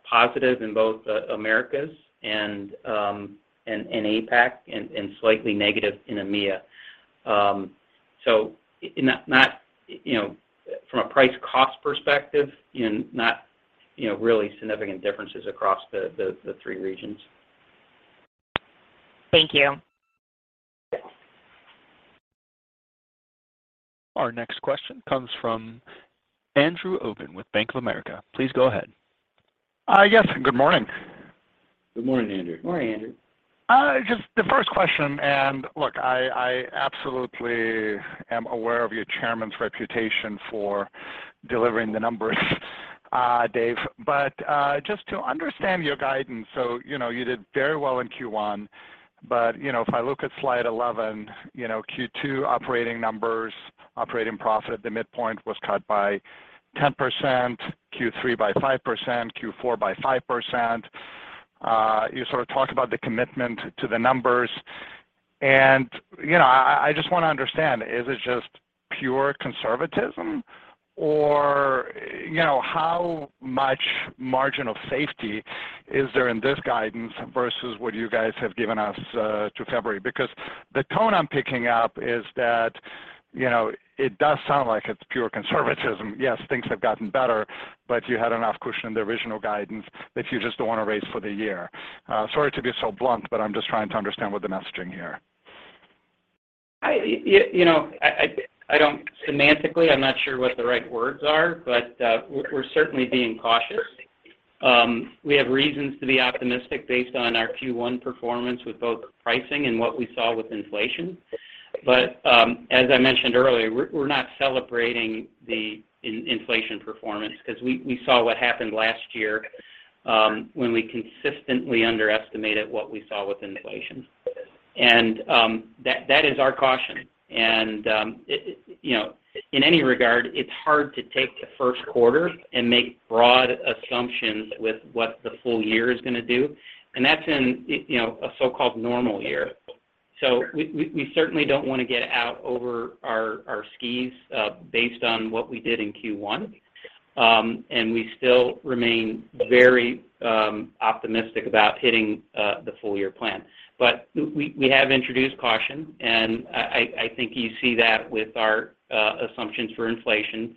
positive in both Americas and APAC and slightly negative in EMEA. It's not, you know, from a price cost perspective, you know, not really significant differences across the three regions.
Thank you.
Yeah.
Our next question comes from Andrew Obin with Bank of America. Please go ahead.
Yes. Good morning.
Good morning, Andrew.
Morning, Andrew.
Just the first question. Look, I absolutely am aware of your chairman's reputation for delivering the numbers, Dave. Just to understand your guidance, so you know, you did very well in Q1, but you know, if I look at slide 11, you know, Q2 operating numbers, operating profit at the midpoint was cut by 10%, Q3 by 5%, Q4 by 5%. You sort of talked about the commitment to the numbers, and you know, I just want to understand, is it just pure conservatism? Or, you know, how much margin of safety is there in this guidance versus what you guys have given us to February? Because the tone I'm picking up is that, you know, it does sound like it's pure conservatism. Yes, things have gotten better, but you had enough cushion in the original guidance that you just don't wanna raise for the year. Sorry to be so blunt, but I'm just trying to understand what the messaging here.
Semantically, I'm not sure what the right words are, but we're certainly being cautious. We have reasons to be optimistic based on our Q1 performance with both pricing and what we saw with inflation. But as I mentioned earlier, we're not celebrating the inflation performance 'cause we saw what happened last year, when we consistently underestimated what we saw with inflation. That is our caution. It, you know, in any regard, it's hard to take the Q1 and make broad assumptions with what the full year is gonna do, and that's in, you know, a so-called normal year. We certainly don't wanna get out over our skis, based on what we did in Q1. We still remain very optimistic about hitting the full year plan. We have introduced caution, and I think you see that with our assumptions for inflation.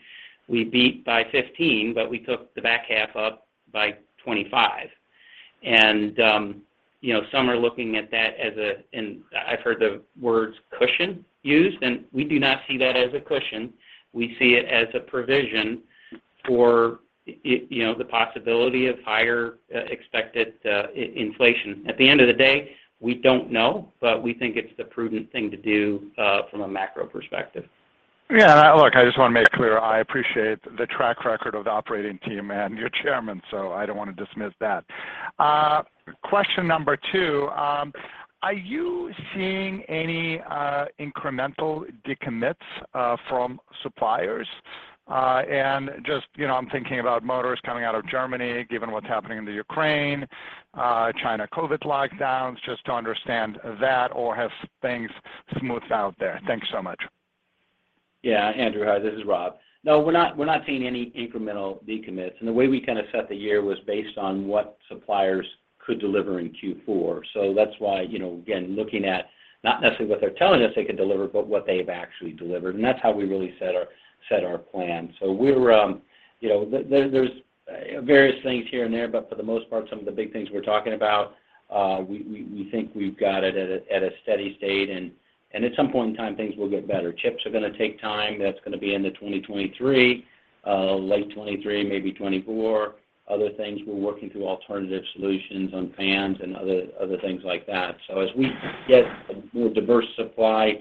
We beat by 15, but we took the back half up by 25. You know, some are looking at that as a cushion. I've heard the words cushion used, and we do not see that as a cushion. We see it as a provision for it, you know, the possibility of higher expected inflation. At the end of the day, we don't know, but we think it's the prudent thing to do from a macro perspective.
Yeah. Look, I just wanna make clear, I appreciate the track record of the operating team and your chairman, so I don't wanna dismiss that. Question number two. Are you seeing any incremental decommits from suppliers? Just, you know, I'm thinking about motors coming out of Germany, given what's happening in the Ukraine, China COVID lockdowns, just to understand that or have things smoothed out there. Thanks so much.
Yeah. Andrew, hi. This is Rob. No, we're not seeing any incremental decommits. The way we kind of set the year was based on what suppliers could deliver in Q4. That's why, you know, again, looking at not necessarily what they're telling us they could deliver, but what they've actually delivered. That's how we really set our plan. We're, you know, there's various things here and there, but for the most part, some of the big things we're talking about, we think we've got it at a steady state. At some point in time, things will get better. Chips are gonna take time. That's gonna be into 2023, late 2023, maybe 2024. Other things, we're working through alternative solutions on fans and other things like that. As we get a more diverse supply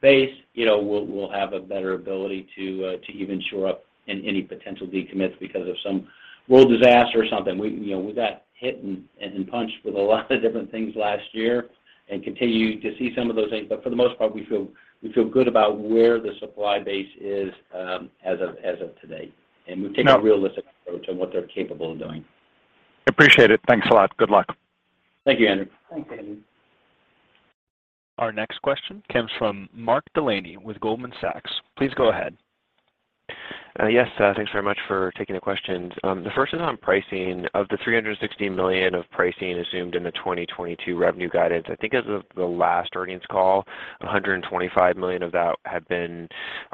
base, you know, we'll have a better ability to even shore up in any potential decommits because of some world disaster or something. We, you know, we got hit and punched with a lot of different things last year and continue to see some of those things. But for the most part, we feel good about where the supply base is, as of today. We've taken.
Now-
a realistic approach on what they're capable of doing.
Appreciate it. Thanks a lot. Good luck.
Thank you, Andrew.
Thanks, Andrew.
Our next question comes from Mark Delaney with Goldman Sachs. Please go ahead.
Yes. Thanks very much for taking the questions. The first is on pricing. Of the $360 million of pricing assumed in the 2022 revenue guidance, I think as of the last earnings call, $125 million of that had been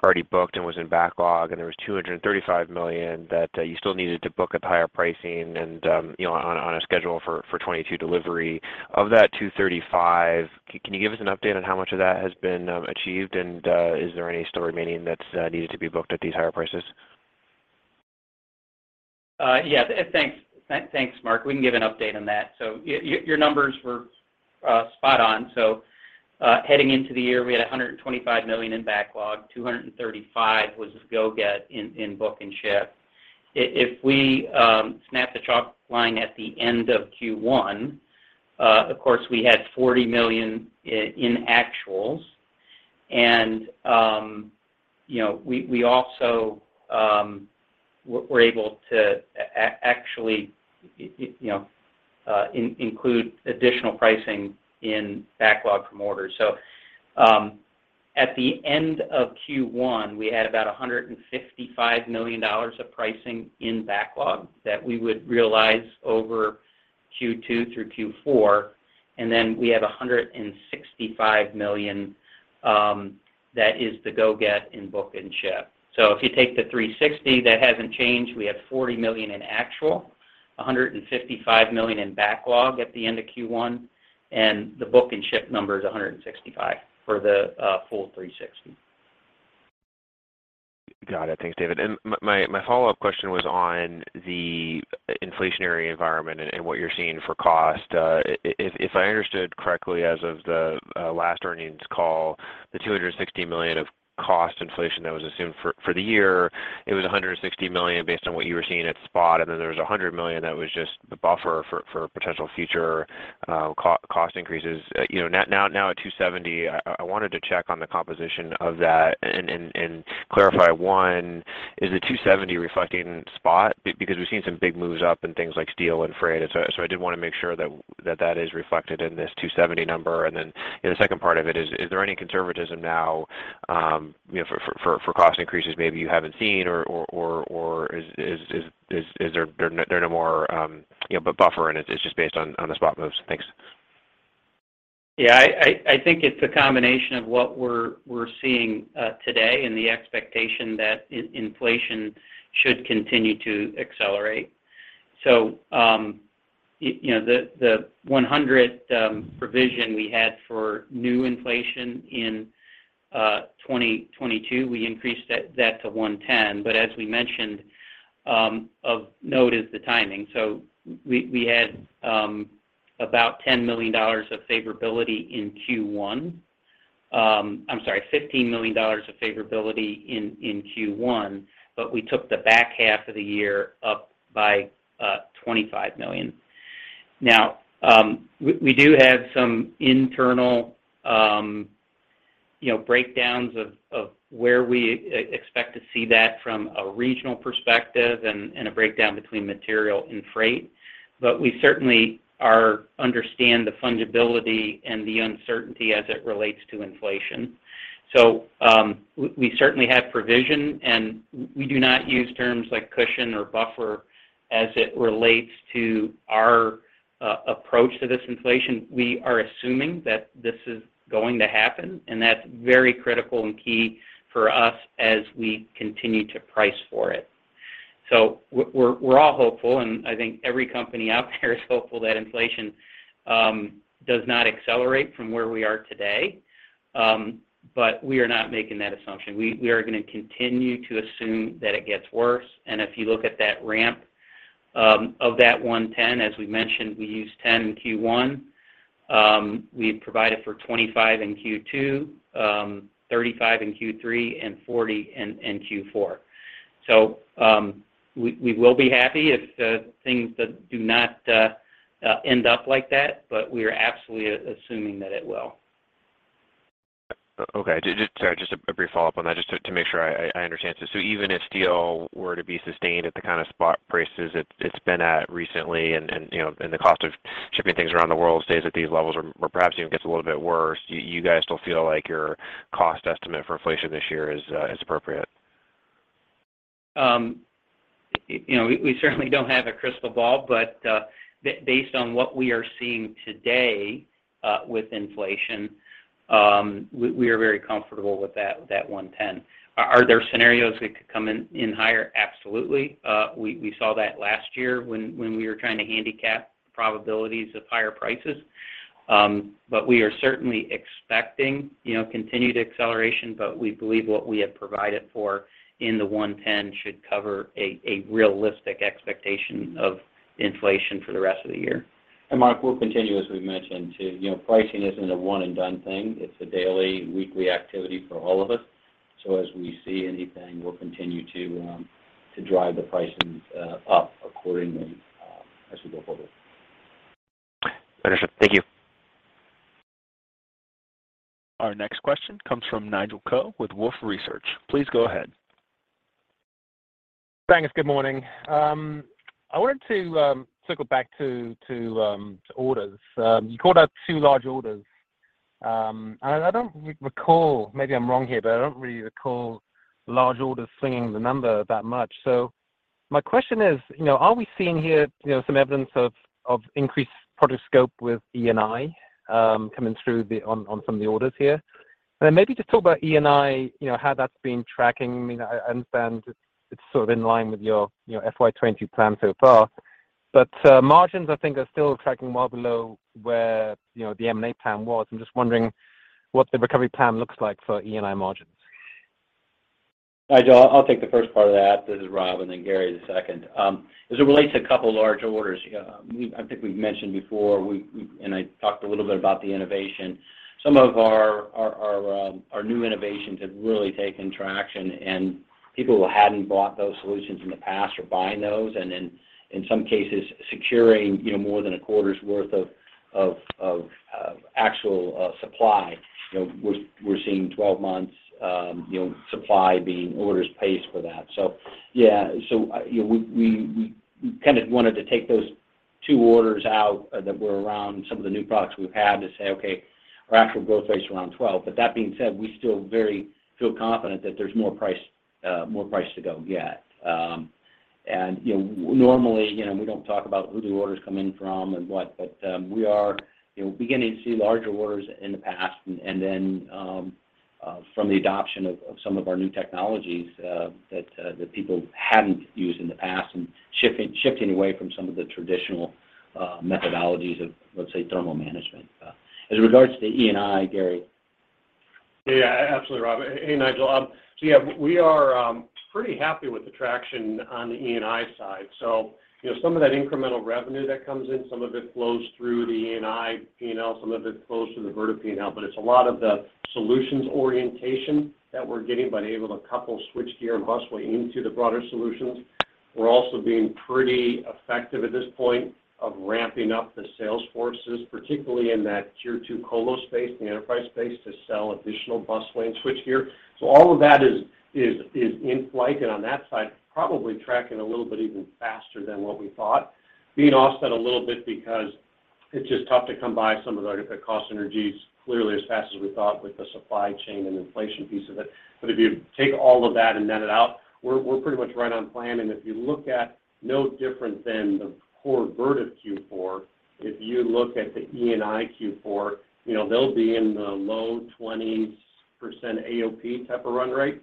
already booked and was in backlog, and there was $235 million that you still needed to book at the higher pricing and, you know, on a schedule for 2022 delivery. Of that $235, can you give us an update on how much of that has been achieved? And, is there any still remaining that needed to be booked at these higher prices?
Thanks, Mark. We can give an update on that. Your numbers were spot on. Heading into the year, we had $125 million in backlog, 235 was go get in book and ship. If we snap the chalk line at the end of Q1, of course, we had $40 million in actuals. You know, we also were able to actually, you know, include additional pricing in backlog from orders. At the end of Q1, we had about $155 million of pricing in backlog that we would realize over Q2 through Q4, and then we have $165 million that is the go get in book and ship. If you take the 360, that hasn't changed. We have $40 million in actual, $155 million in backlog at the end of Q1, and the book and ship number is $165 million for the full 360.
Got it. Thanks, David. My follow-up question was on the inflationary environment and what you're seeing for cost. If I understood correctly, as of the last earnings call, the $260 million of cost inflation that was assumed for the year, it was $160 million based on what you were seeing at spot, and then there was $100 million that was just the buffer for potential future cost increases. You know, now at $270 million, I wanted to check on the composition of that and clarify, one, is the $270 million reflecting spot? Because we've seen some big moves up in things like steel and freight. So I did wanna make sure that that is reflected in this $270 million number. You know, the second part of it is there any conservatism now, you know, for cost increases maybe you haven't seen or is there no more, you know, buffer and it's just based on the spot moves? Thanks.
Yeah. I think it's a combination of what we're seeing today and the expectation that inflation should continue to accelerate. You know, the 100 provision we had for new inflation in 2022, we increased that to 110. As we mentioned, of note is the timing. We had $15 million of favorability in Q1, but we took the back half of the year up by $25 million. Now, we do have some internal breakdowns of where we expect to see that from a regional perspective and a breakdown between material and freight, but we certainly understand the fungibility and the uncertainty as it relates to inflation. We certainly have provision, and we do not use terms like cushion or buffer as it relates to our approach to this inflation. We are assuming that this is going to happen, and that's very critical and key for us as we continue to price for it. We're all hopeful, and I think every company out there is hopeful that inflation does not accelerate from where we are today. We are not making that assumption. We are gonna continue to assume that it gets worse. If you look at that ramp of that 10, as we mentioned, we used 10% in Q1. We provided for 25% in Q2, 35% in Q3, and 40% in Q4. We will be happy if things do not end up like that, but we are absolutely assuming that it will.
Okay. Just a brief follow-up on that just to make sure I understand this. Even if steel were to be sustained at the kind of spot prices it's been at recently and, you know, and the cost of shipping things around the world stays at these levels or perhaps even gets a little bit worse, you guys still feel like your cost estimate for inflation this year is appropriate?
You know, we certainly don't have a crystal ball, but based on what we are seeing today with inflation, we are very comfortable with that 110. Are there scenarios that could come in higher? Absolutely. We saw that last year when we were trying to handicap probabilities of higher prices. We are certainly expecting, you know, continued acceleration, but we believe what we have provided for in the 110 should cover a realistic expectation of inflation for the rest of the year.
Mark, we'll continue, as we've mentioned. You know, pricing isn't a one-and-done thing. It's a daily, weekly activity for all of us. So as we see anything, we'll continue to drive the pricings up accordingly, as we go forward.
Understood. Thank you.
Our next question comes from Nigel Coe with Wolfe Research. Please go ahead.
Thanks. Good morning. I wanted to circle back to orders. You called out two large orders. I don't recall, maybe I'm wrong here, but I don't really recall large orders swinging the number that much. My question is, you know, are we seeing here, you know, some evidence of increased project scope with E&I coming through on some of the orders here? Maybe just talk about E&I, you know, how that's been tracking. I mean, I understand it's sort of in line with your FY 2020 plan so far, but margins I think are still tracking well below where, you know, the M&A plan was. I'm just wondering what the recovery plan looks like for E&I margins.
Nigel, I'll take the first part of that. This is Rob, and then Gary the second. As it relates to a couple large orders, I think we've mentioned before and I talked a little bit about the innovation. Some of our new innovations have really gained traction, and people who hadn't bought those solutions in the past are buying those and then, in some cases, securing, you know, more than a quarter's worth of actual supply. You know, we're seeing 12 months supply being orders placed for that. Yeah. You know, we kind of wanted to take those two orders out that were around some of the new products we've had to say, "Okay, our actual growth rate's around 12%." That being said, we still feel very confident that there's more price to go get. Normally, you know, we don't talk about who the orders come in from and what, but we are, you know, beginning to see larger orders than in the past and then from the adoption of some of our new technologies that people hadn't used in the past and shifting away from some of the traditional methodologies of, let's say, thermal management. As regards to E&I, Gary.
Yeah, absolutely, Rob. Hey, Nigel. Yeah, we are pretty happy with the traction on the E&I side. You know, some of that incremental revenue that comes in, some of it flows through the E&I P&L, some of it flows through the Vertiv P&L, but it's a lot of the solutions orientation that we're getting, been able to couple Switchgear and Busway into the broader solutions. We're also being pretty effective at this point of ramping up the sales forces, particularly in that tier two colo space, the enterprise space, to sell additional Busway and Switchgear. All of that is in flight, and on that side, probably tracking a little bit even faster than what we thought. Being offset a little bit because it's just tough to come by some of our cost synergies clearly as fast as we thought with the supply chain and inflation piece of it. But if you take all of that and net it out, we're pretty much right on plan. If you look at no different than the core Vertiv Q4, if you look at the E&I Q4, you know, they'll be in the low 20% AOP type of run rate,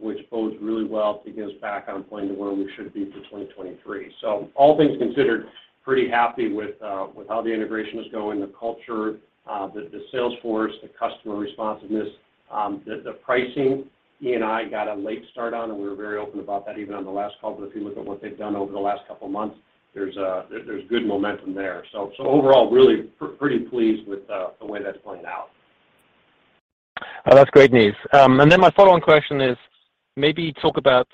which bodes really well to get us back on plan to where we should be for 2023. All things considered, pretty happy with how the integration is going, the culture, the sales force, the customer responsiveness. The pricing, E&I got a late start on, and we were very open about that, even on the last call. If you look at what they've done over the last couple of months, there's good momentum there. Overall, really pretty pleased with the way that's playing out.
Oh, that's great news. Then my follow-on question is, maybe talk about,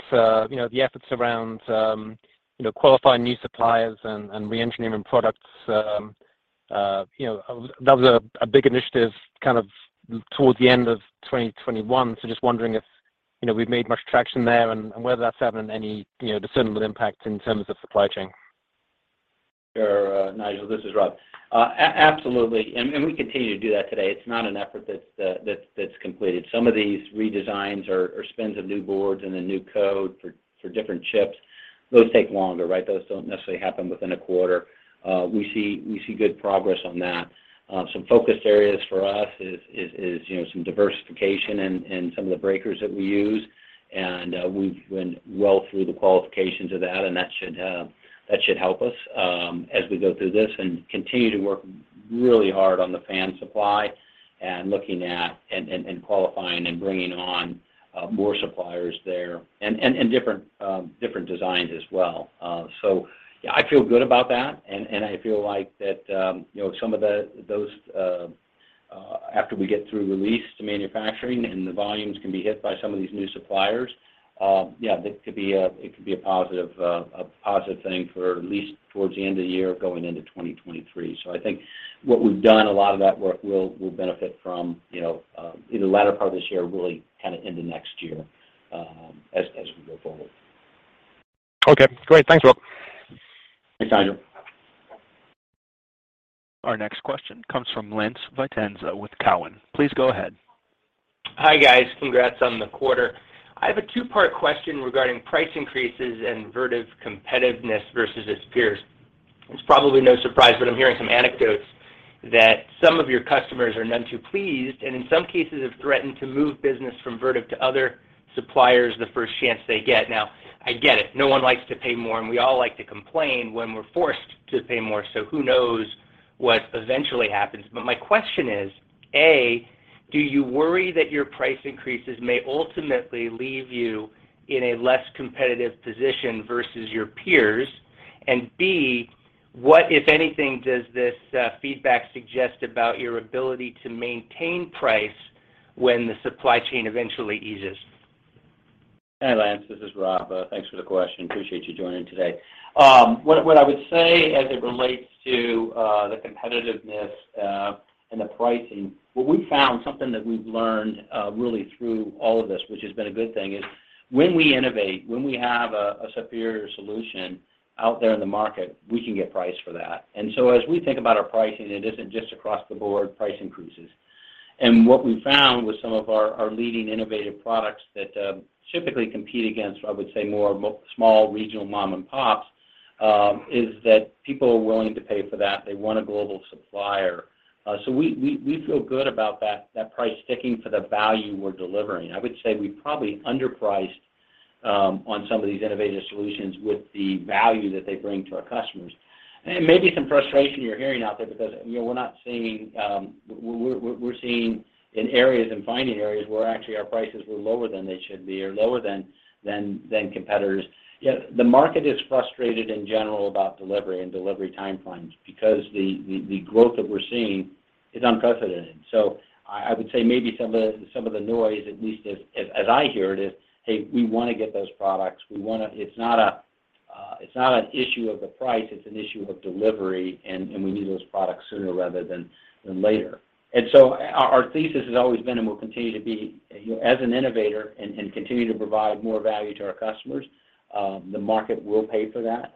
you know, the efforts around, you know, qualifying new suppliers and reengineering products. You know, that was a big initiative kind of towards the end of 2021. Just wondering if, you know, we've made much traction there and whether that's having any, you know, discernible impact in terms of supply chain.
Sure, Nigel, this is Rob. Absolutely. We continue to do that today. It's not an effort that's completed. Some of these redesigns or spins of new boards and the new code for different chips, those take longer, right? Those don't necessarily happen within a quarter. We see good progress on that. Some focused areas for us is, you know, some diversification in some of the breakers that we use. We've been well through the qualifications of that, and that should help us as we go through this and continue to work really hard on the fan supply and looking at and qualifying and bringing on more suppliers there and different designs as well. Yeah, I feel good about that. I feel like that, you know, some of those after we get through release to manufacturing and the volumes can be hit by some of these new suppliers, yeah, it could be a positive thing for at least towards the end of the year going into 2023. I think what we've done, a lot of that work will benefit from, you know, in the latter part of this year, really kinda into next year, as we go forward.
Okay, great. Thanks, Rob.
Thanks, Nigel.
Our next question comes from Lance Vitanza with Cowen. Please go ahead.
Hi, guys. Congrats on the quarter. I have a two-part question regarding price increases and Vertiv competitiveness versus its peers. It's probably no surprise, but I'm hearing some anecdotes that some of your customers are none too pleased, and in some cases have threatened to move business from Vertiv to other suppliers the first chance they get. Now, I get it. No one likes to pay more, and we all like to complain when we're forced to pay more. Who knows what eventually happens. My question is, A, do you worry that your price increases may ultimately leave you in a less competitive position versus your peers? And B, what, if anything, does this feedback suggest about your ability to maintain price when the supply chain eventually eases?
Hey, Lance, this is Rob. Thanks for the question. Appreciate you joining today. What I would say as it relates to the competitiveness and the pricing, what we found, something that we've learned really through all of this, which has been a good thing, is when we innovate, when we have a superior solution out there in the market, we can get price for that. As we think about our pricing, it isn't just across the board price increases. What we found with some of our leading innovative products that typically compete against, I would say more small regional mom and pops, is that people are willing to pay for that. They want a global supplier. We feel good about that price sticking for the value we're delivering. I would say we probably underpriced on some of these innovative solutions with the value that they bring to our customers. Maybe some frustration you're hearing out there because, you know, we're seeing in areas and finding areas where actually our prices were lower than they should be or lower than competitors. Yet the market is frustrated in general about delivery and delivery time frames because the growth that we're seeing is unprecedented. I would say maybe some of the noise, at least as I hear it, is "Hey, we wanna get those products. It's not an issue of the price, it's an issue of delivery, and we need those products sooner rather than later." Our thesis has always been, and will continue to be, you know, as an innovator and continue to provide more value to our customers, the market will pay for that.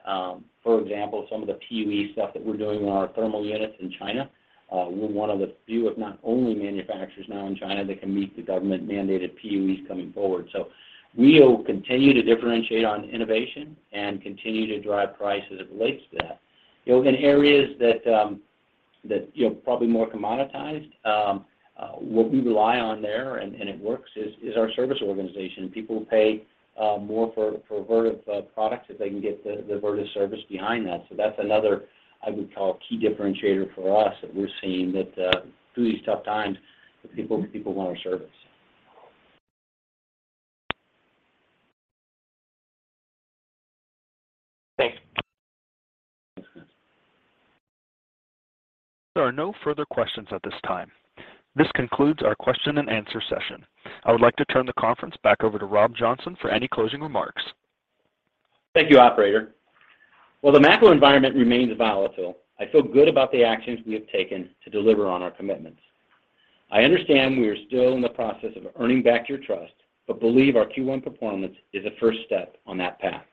For example, some of the PUE stuff that we're doing on our thermal units in China, we're one of the few, if not only manufacturers now in China that can meet the government mandated PUEs coming forward. We will continue to differentiate on innovation and continue to drive price as it relates to that. You know, in areas that you know are probably more commoditized, what we rely on there, and it works, is our service organization. People will pay more for Vertiv products if they can get the Vertiv service behind that. That's another, I would call, key differentiator for us that we're seeing that through these tough times, that people want our service.
Thanks.
There are no further questions at this time. This concludes our question and answer session. I would like to turn the conference back over to Rob Johnson for any closing remarks.
Thank you, operator. While the macro environment remains volatile, I feel good about the actions we have taken to deliver on our commitments. I understand we are still in the process of earning back your trust, but believe our Q1 performance is a first step on that path,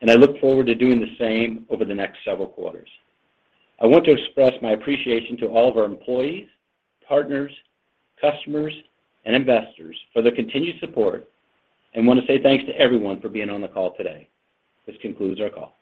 and I look forward to doing the same over the next several quarters. I want to express my appreciation to all of our employees, partners, customers, and investors for their continued support, and want to say thanks to everyone for being on the call today. This concludes our call.